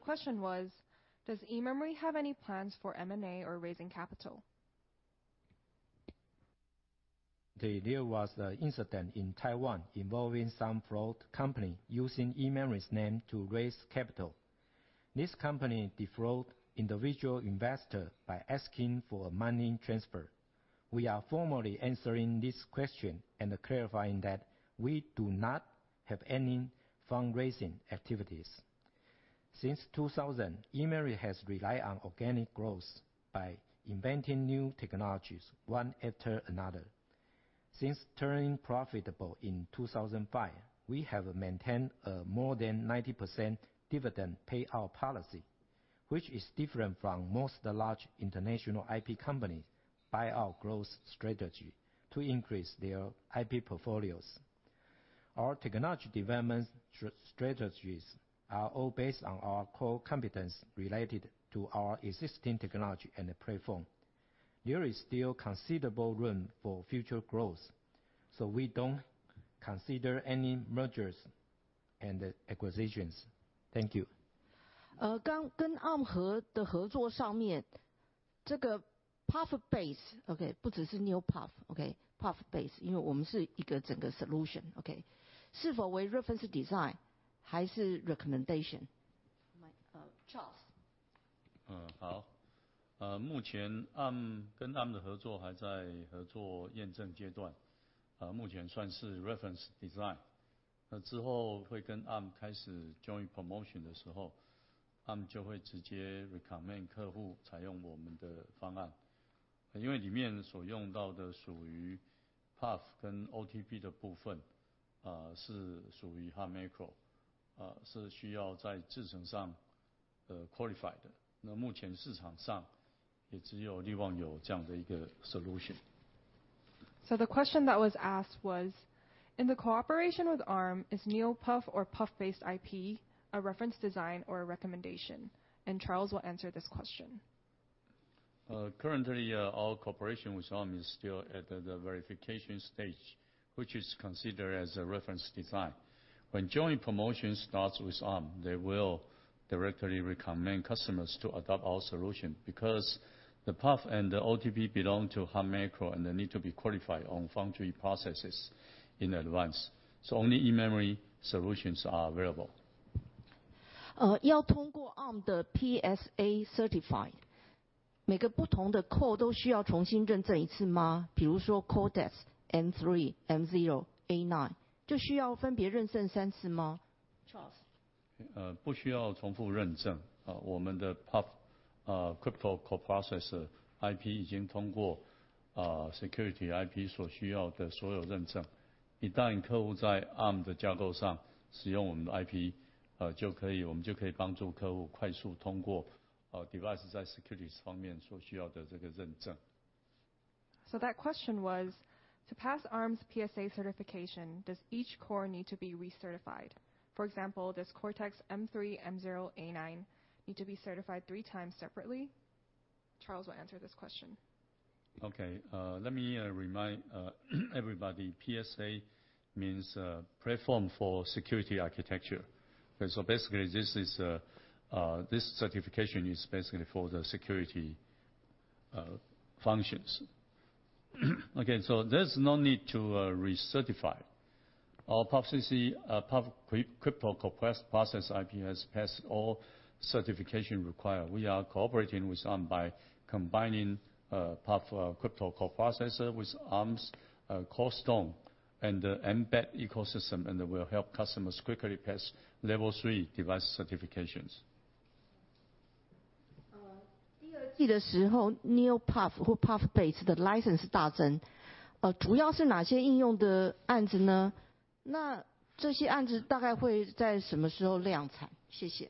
question was, does eMemory have any plans for M&A or raising capital? There was an incident in Taiwan involving some fraud company using eMemory's name to raise capital. This company defrauded individual investors by asking for a money transfer. We are formally answering this question and clarifying that we do not have any fundraising activities. Since 2000, eMemory has relied on organic growth by inventing new technologies one after another. Since turning profitable in 2005, we have maintained a more than 90% dividend payout policy, which is different from most large international IP companies' buyout growth strategy to increase their IP portfolios. Our technology development strategies are all based on our core competence related to our existing technology and platform. There is still considerable room for future growth, so we don't consider any mergers and acquisitions. Thank you. 刚跟 Arm 的合作上面，这个 PUF-based，OK，不只是 NeoPUF，OK，PUF-based，因为我们是一个整个 solution，OK，是否为 reference design 还是 recommendation？ Charles。目前跟 Arm 的合作还在合作验证阶段，目前算是 reference design，那之后会跟 Arm 开始 joint promotion 的时候，Arm 就会直接 recommend 客户采用我们的方案，因为里面所用到的属于 PUF 跟 OTP 的部分，是属于 hard macro，是需要在制程上 qualified 的。那目前市场上也只有力旺有这样的一个 solution。The question that was asked was, in the cooperation with Arm, is NeoPUF or PUF-based IP a reference design or a recommendation? Charles will answer this question. Currently, our cooperation with Arm is still at the verification stage, which is considered as a reference design. When joint promotion starts with Arm, they will directly recommend customers to adopt our solution. Because the PUF and the OTP belong to eMemory and they need to be qualified on foundry processes in advance. Only eMemory solutions are available. 要通过Arm的PSA Certified，每个不同的core都需要重新认证一次吗？比如说Cortex-M3、Cortex-M0、Cortex-A9，就需要分别认证三次吗？Charles。不需要重复认证。我们的 PUF crypto coprocessor IP 已经通过 security IP 所需要的所有认证。一旦客户在 Arm 的架构上使用我们的 IP，就可以帮助客户快速通过 device 在 security 方面所需要的认证。That question was to pass Arm's PSA certification, does each core need to be recertified? For example, does Cortex-M3, Cortex-M0, Cortex-A9 need to be certified three times separately? Charles will answer this question. Okay, let me remind everybody PSA means platform for security architecture. Basically, this certification is basically for the security functions. Again, there's no need to recertify. Our PUFcc crypto coprocessor IP has passed all certifications required. We are cooperating with Arm by combining PUF crypto coprocessor with Arm's Corstone and the Mbed ecosystem. We will help customers quickly pass level three device certifications. 第二季的时候，NeoPUF 或 PUF-based 的 license 大增，主要是哪些应用的案子呢？那这些案子大概会在什么时候量产？谢谢。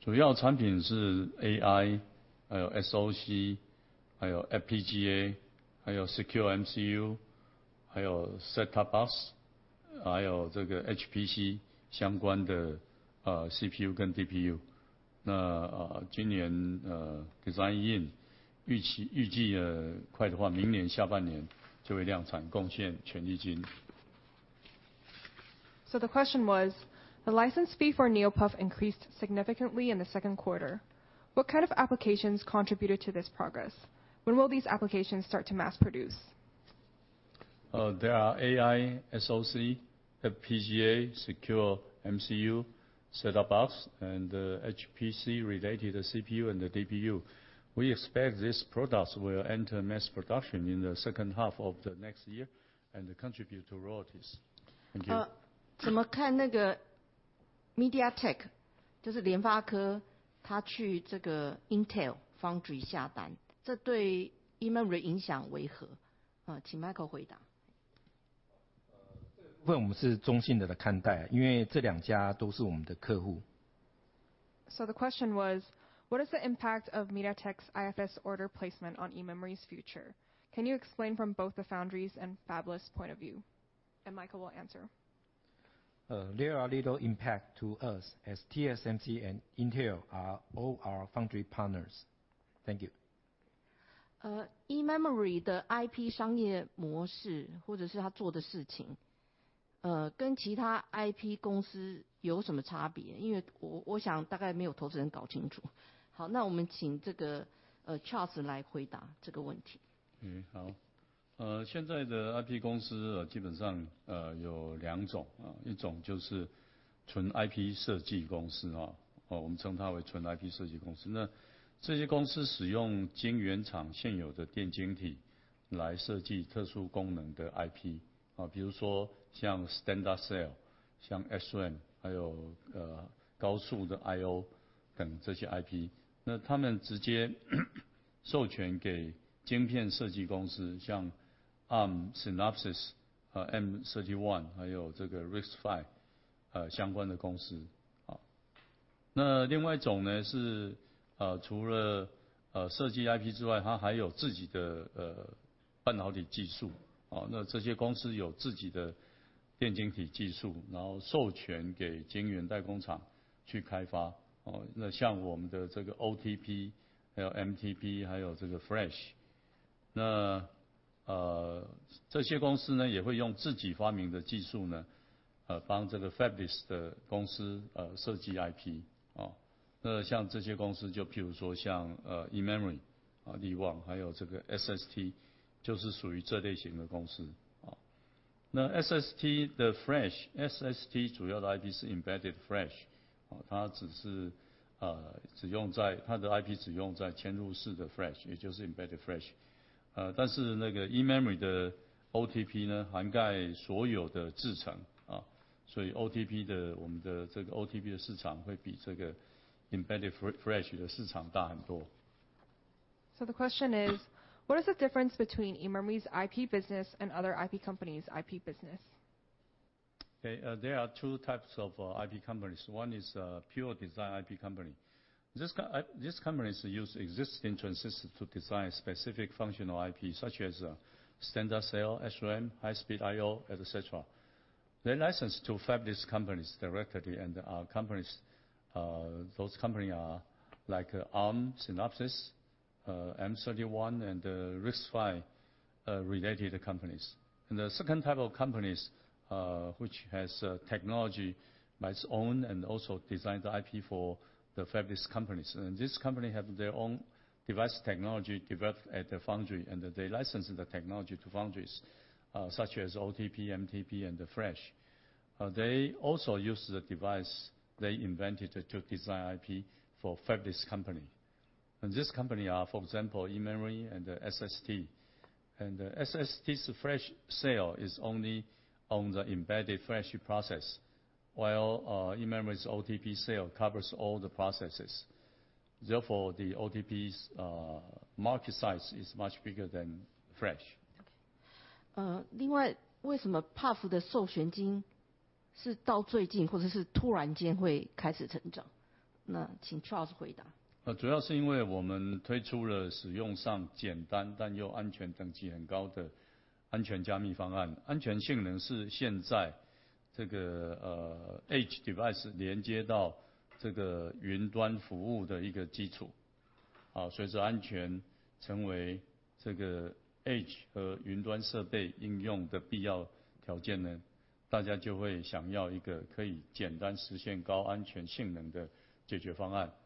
主要产品是 AI、SoC、FPGA、Secure MCU、Set-top Box，还有 HPC 相关的 CPU 跟 DPU。今年 design in，预计快的话，明年下半年就会量产，贡献权益金。The question was, the license fee for NeoPUF increased significantly in the second quarter. What kind of applications contributed to this progress? When will these applications start to mass produce? There are AI, SoC, FPGA, secure MCU, set-top box, and HPC related CPU and the DPU. We expect these products will enter mass production in the second half of the next year and contribute to royalties. Thank you. 怎么看那个MediaTek，就是联发科，它去这个Intel Foundry下单，这对eMemory影响为何？请Michael回答。这部分我们是中性的来看待，因为这两家都是我们的客户。The question was, what is the impact of MediaTek's IFS order placement on eMemory's future? Can you explain from both the foundries and fabless point of view? Michael will answer. There are little impact to us, as TSMC and Intel are all our foundry partners. Thank you. eMemory 的 IP 商业模 式， 或者是它做的事 情， 跟其他 IP 公司有什么差 别？ 因为我想大概没有投资人搞清楚。好， 那我们请 Charles 来回答这个问 cell、像SRAM，还有高速的IO等这些IP，那他们直接授权给晶片设计公司，像Arm、Synopsys、和M31，还有RISC-V相关的公司。那另外一种呢，是除了设计IP之外，它还有自己的半导体技术，那这些公司有自己的电晶体技术，然后授权给晶圆代工厂去开发，那像我们的OTP，还有MTP，还有Flash。这些公司呢，也会用自己发明的技术呢，帮这个fabless的公司设计IP。那像这些公司就比如说像eMemory、利旺，还有SST，就是属于这类型的公司。那SST的Flash，SST主要的IP是embedded Flash，它只是使用在——它的IP只用在嵌入式的Flash，也就是embedded Flash。但是eMemory的OTP呢，涵盖所有的制程，所以我们的OTP的市场会比这个embedded Flash的市场大很多。The question is, what is the difference between eMemory's IP business and other IP companies' IP business? Okay, there are two types of IP companies. One is pure design IP company. These companies use existing transistors to design specific functional IP, such as standard cell, SRAM, high speed IO etc. They license to fabless companies directly, and our companies, those company are like Arm, Synopsys, M31, and RISC-V related companies. The second type of companies which has technology by its own and also designed the IP for the fabless companies. This company have their own device technology developed at the foundry, and they license the technology to foundries, such as OTP, MTP, and the flash. They also use the device they invented to design IP for fabless company. This company are, for example, eMemory and SST. SST's Flash sale is only on the embedded Flash process, while eMemory's OTP sale covers all the processes. Therefore, the OTP's market size is much bigger than Flash. 另外，为什么 PUF 的授权金是到最近，或者是突然间会开始成长？那请 Charles 回答。主要是因为我们推出了使用上简单但又安全等级很高的安全加密方案。安全性能是现在这个 edge device 连接到这个云端服务的一个基础。随着安全成为这个 edge 和云端设备应用的必要条件呢，大家就会想要一个可以简单实现高安全性能的解决方案。那我们用这个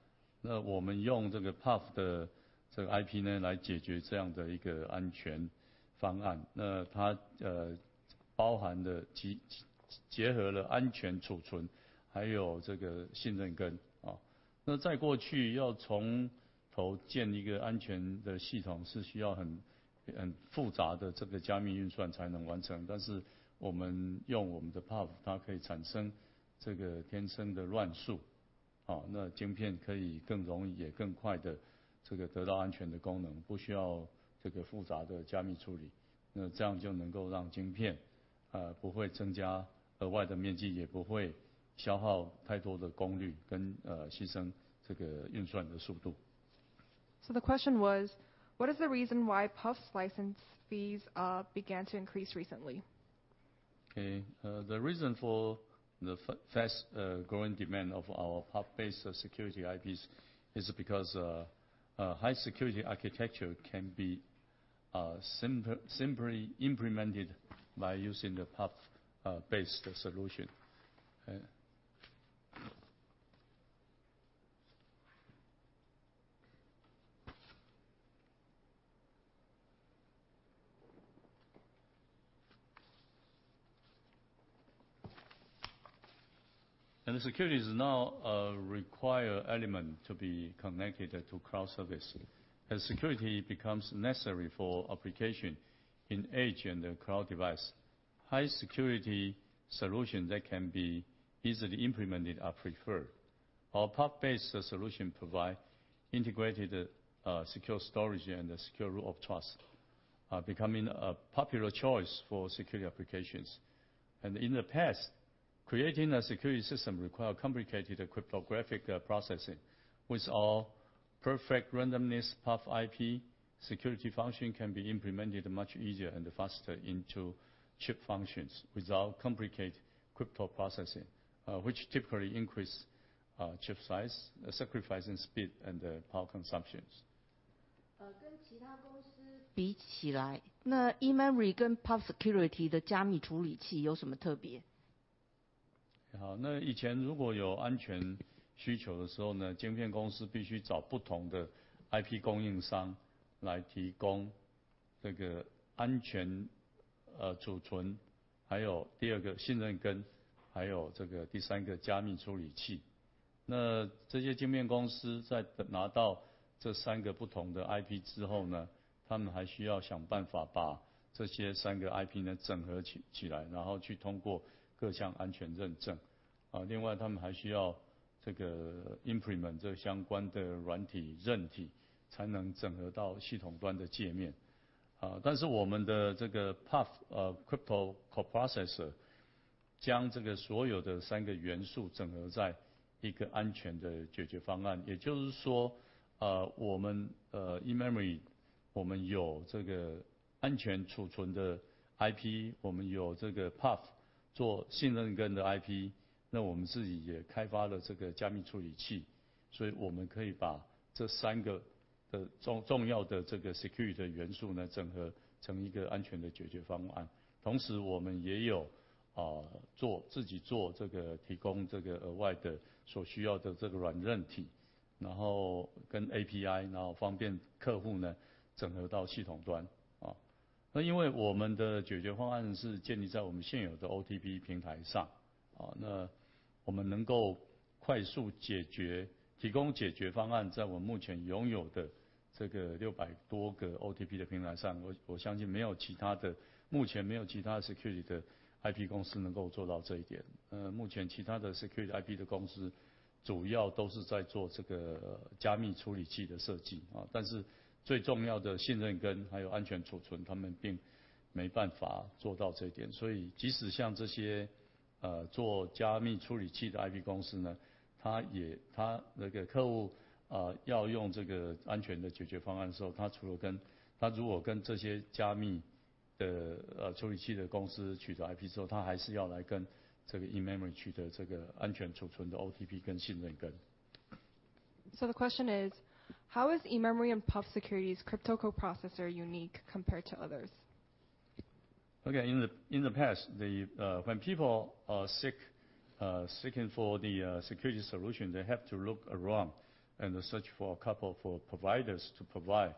PUF 的这个 IP 呢来解决这样的一个安全方案，那它包含了结合了安全储存，还有这个信任根。那在过去要从头建一个安全的系统，是需要很复杂的这个加密运算才能完成，但是我们用我们的 PUF，它可以产生这个天生的乱数，那晶片可以更容易也更快地这个得到安全的功能，不需要这个复杂的加密处理，那这样就能够让晶片不会增加额外的面积，也不会消耗太多的功率，跟牺牲这个运算的速度。The question was what is the reason why PUF's license fees began to increase recently? Okay, the reason for the fast growing demand of our PUF-based security IPs is because a high security architecture can be simply implemented by using the PUF-based solution. The security is now a required element to be connected to cloud service. As security becomes necessary for application in edge and cloud device, high security solution that can be easily implemented are preferred. Our PUF-based solution provide integrated secure storage and secure root of trust, are becoming a popular choice for security applications. In the past, creating a security system require complicated cryptographic processing; with our perfect randomness PUF IP, security function can be implemented much easier and faster into chip functions without complicated crypto processing, which typically increase chip size, sacrificing speed and power consumptions. 跟其他公司比起来，eMemory 跟 PUFsecurity 的加密处理器有什么特别？ crypto 做加密处理器的IP公司，它的客户要用这个安全的解决方案的时候，它除了跟这些加密的处理器的公司取得IP之后，它还是要来跟eMemory取得这个安全储存的OTP跟信任根。The question is, how is eMemory and PUFsecurity's crypto coprocessor unique compared to others? Okay, in the past, when people are seeking for the security solution, they have to look around and search for a couple of providers to provide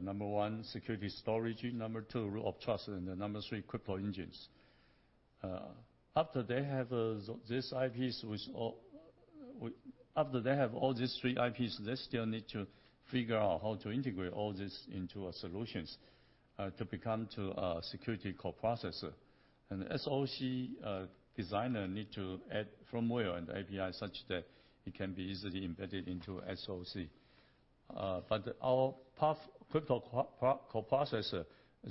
number one security storage, number two Root of Trust, and number three crypto engines. After they have all these three IPs, they still need to figure out how to integrate all this into a solution to become a security coprocessor. SoC designers need to add firmware and API such that it can be easily embedded into SoC. But our PUF crypto coprocessor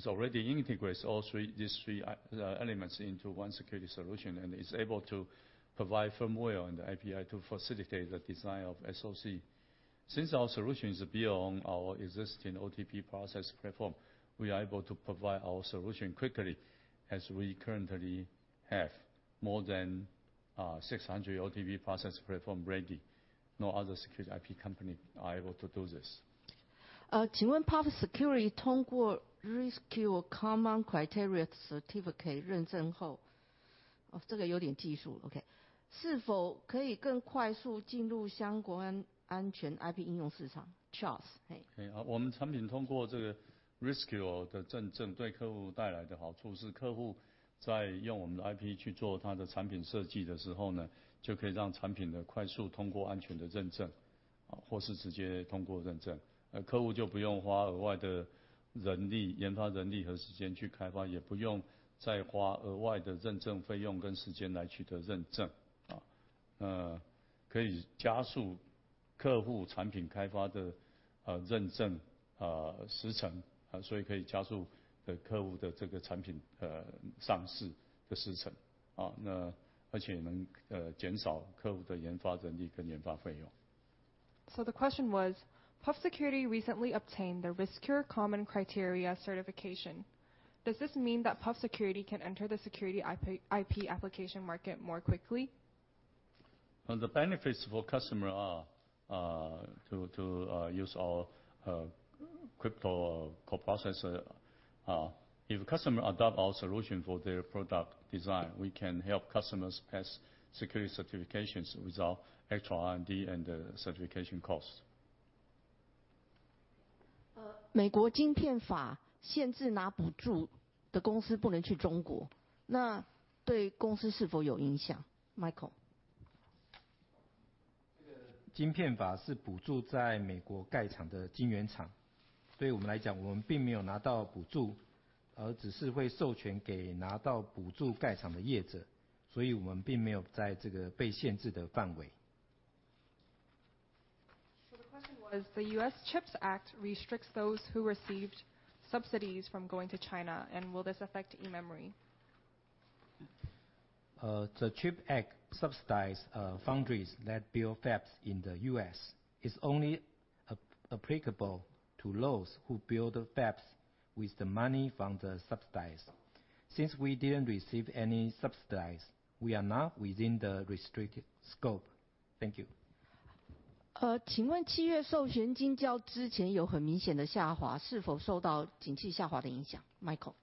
already integrates these three elements into one security solution, and is able to provide firmware and API to facilitate the design of SoC. Since our solution is built on our existing OTP process platform, we are able to provide our solution quickly, as we currently have more than 600 OTP process platforms ready. No other security IP company is able to do this. 请问 PUFsecurity 通过 Riscure Common Criteria 认证后，这个有点技术，是否可以更快速进入相关安全 IP 应用市场？Charles，嘿。我们产品通过这个Riscure的认证，对客户带来的好处是客户在用我们的IP去做它的产品设计的时候呢，就可以让产品快速通过安全的认证，或是直接通过认证。客户就不用花额外的人力、研发人力和时间去开发，也不用再花额外的认证费用跟时间来取得认证。可以加速客户产品开发的认证时程，所以可以加速客户的这个产品上市的时程。而且能减少客户的研发人力跟研发费用。The question was, PUFsecurity recently obtained the Riscure Common Criteria certification. Does this mean that PUFsecurity can enter the security IP application market more quickly? Well, the benefits for customer are to use our crypto coprocessor. If customer adopt our solution for their product design, we can help customers pass security certifications without extra R&D and certification costs. 美国晶片法限制拿补助的公司不能去中国，那对公司是否有影响？Michael。这个晶片法是补助在美国盖厂的晶圆厂。对于我们来讲，我们并没有拿到补助，而只是会授权给拿到补助盖厂的业者。所以我们并没有在这个被限制的范围。The question was, the US CHIPS and Science Act restricts those who received subsidies from going to China. Will this affect eMemory? The CHIPS and Science Act subsidize foundries that build fabs in the U.S. is only applicable to those who build fabs with the money from the subsidies. Since we didn't receive any subsidies, we are not within the restricted scope. Thank you. 请问七月授权金较之前有很明显的下滑，是否受到景气下滑的影响？Michael。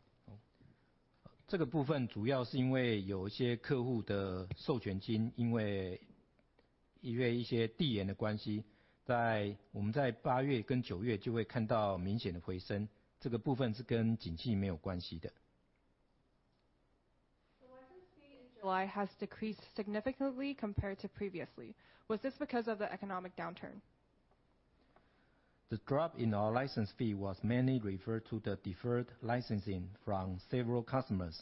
这个部分主要是因为有些客户的授权金，因为一些递延的关系，在我们八月跟九月就会看到明显的回升，这个部分是跟景气没有关系的。The license fee in July has decreased significantly compared to previously. Was this because of the economic downturn? The drop in our license fee was mainly referred to the deferred licensing from several customers,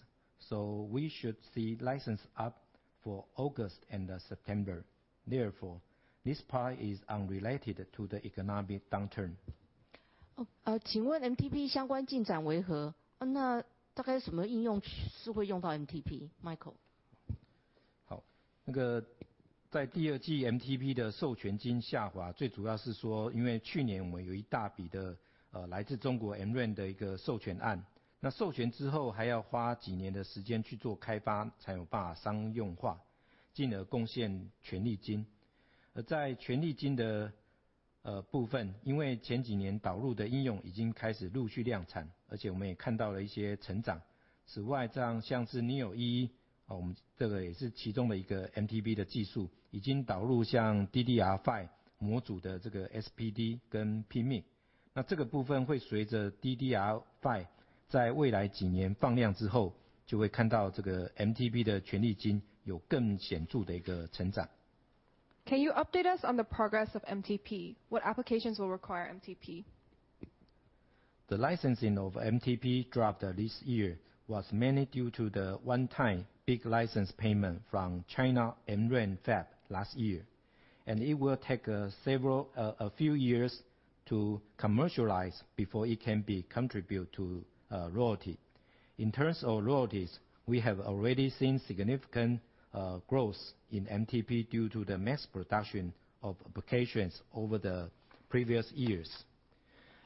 so we should see license up for August and September. Therefore, this part is unrelated to the economic downturn. 请问 MTP 相关进展为何？那大概什么应用是会用到 MTP？Michael。Can you update us on the progress of MTP? What applications will require MTP? The licensing of MTP dropped this year was mainly due to the one-time big license payment from China AMEC fab last year. It will take a few years to commercialize before it can contribute to royalty. In terms of royalties, we have already seen significant growth in MTP due to the mass production of applications over the previous years.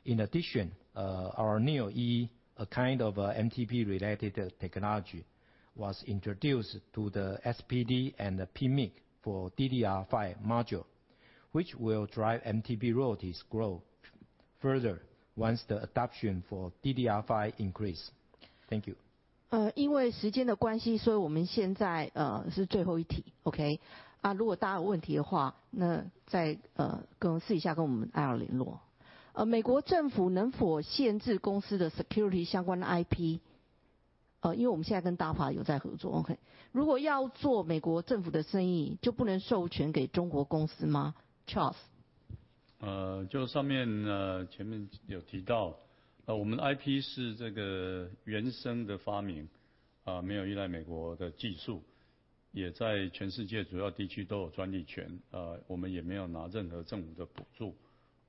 In addition, our NeoEE, a kind of MTP related technology, was introduced to the SPD and PMIC for DDR5 module, which will drive MTP royalties grow further once the adoption for DDR5 increase. Thank you. Uh,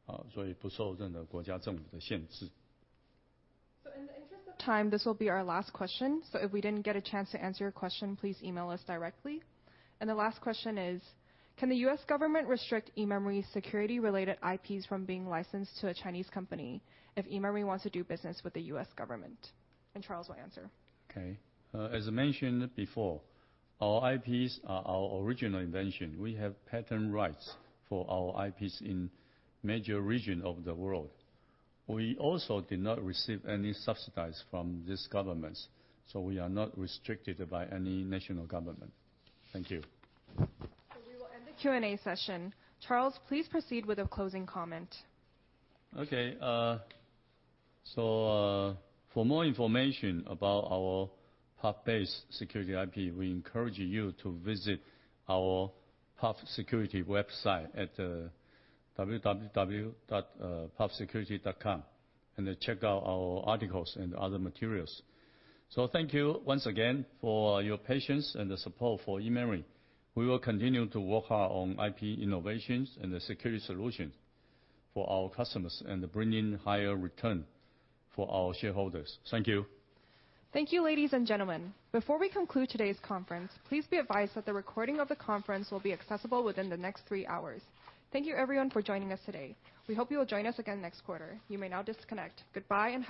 In terms of time, this will be our last question. If we didn't get a chance to answer your question, please email us directly. The last question is, can the US government restrict eMemory's security related IPs from being licensed to a Chinese company if eMemory wants to do business with the US government? Charles will answer. Okay, as mentioned before, our IPs are our original invention. We have patent rights for our IPs in major regions of the world. We also did not receive any subsidies from these governments, so we are not restricted by any national government. Thank you. We will end the Q&A session. Charles, please proceed with the closing comment. For more information about our PUF-based security IP, we encourage you to visit our PUFsecurity website at www.pufsecurity.com, and check out our articles and other materials. Thank you once again for your patience and the support for eMemory. We will continue to work hard on IP innovations and the security solutions for our customers and bringing higher return for our shareholders. Thank you. Thank you, ladies and gentlemen. Before we conclude today's conference, please be advised that the recording of the conference will be accessible within the next three hours. Thank you everyone for joining us today. We hope you will join us again next quarter. You may now disconnect. Goodbye, and have a.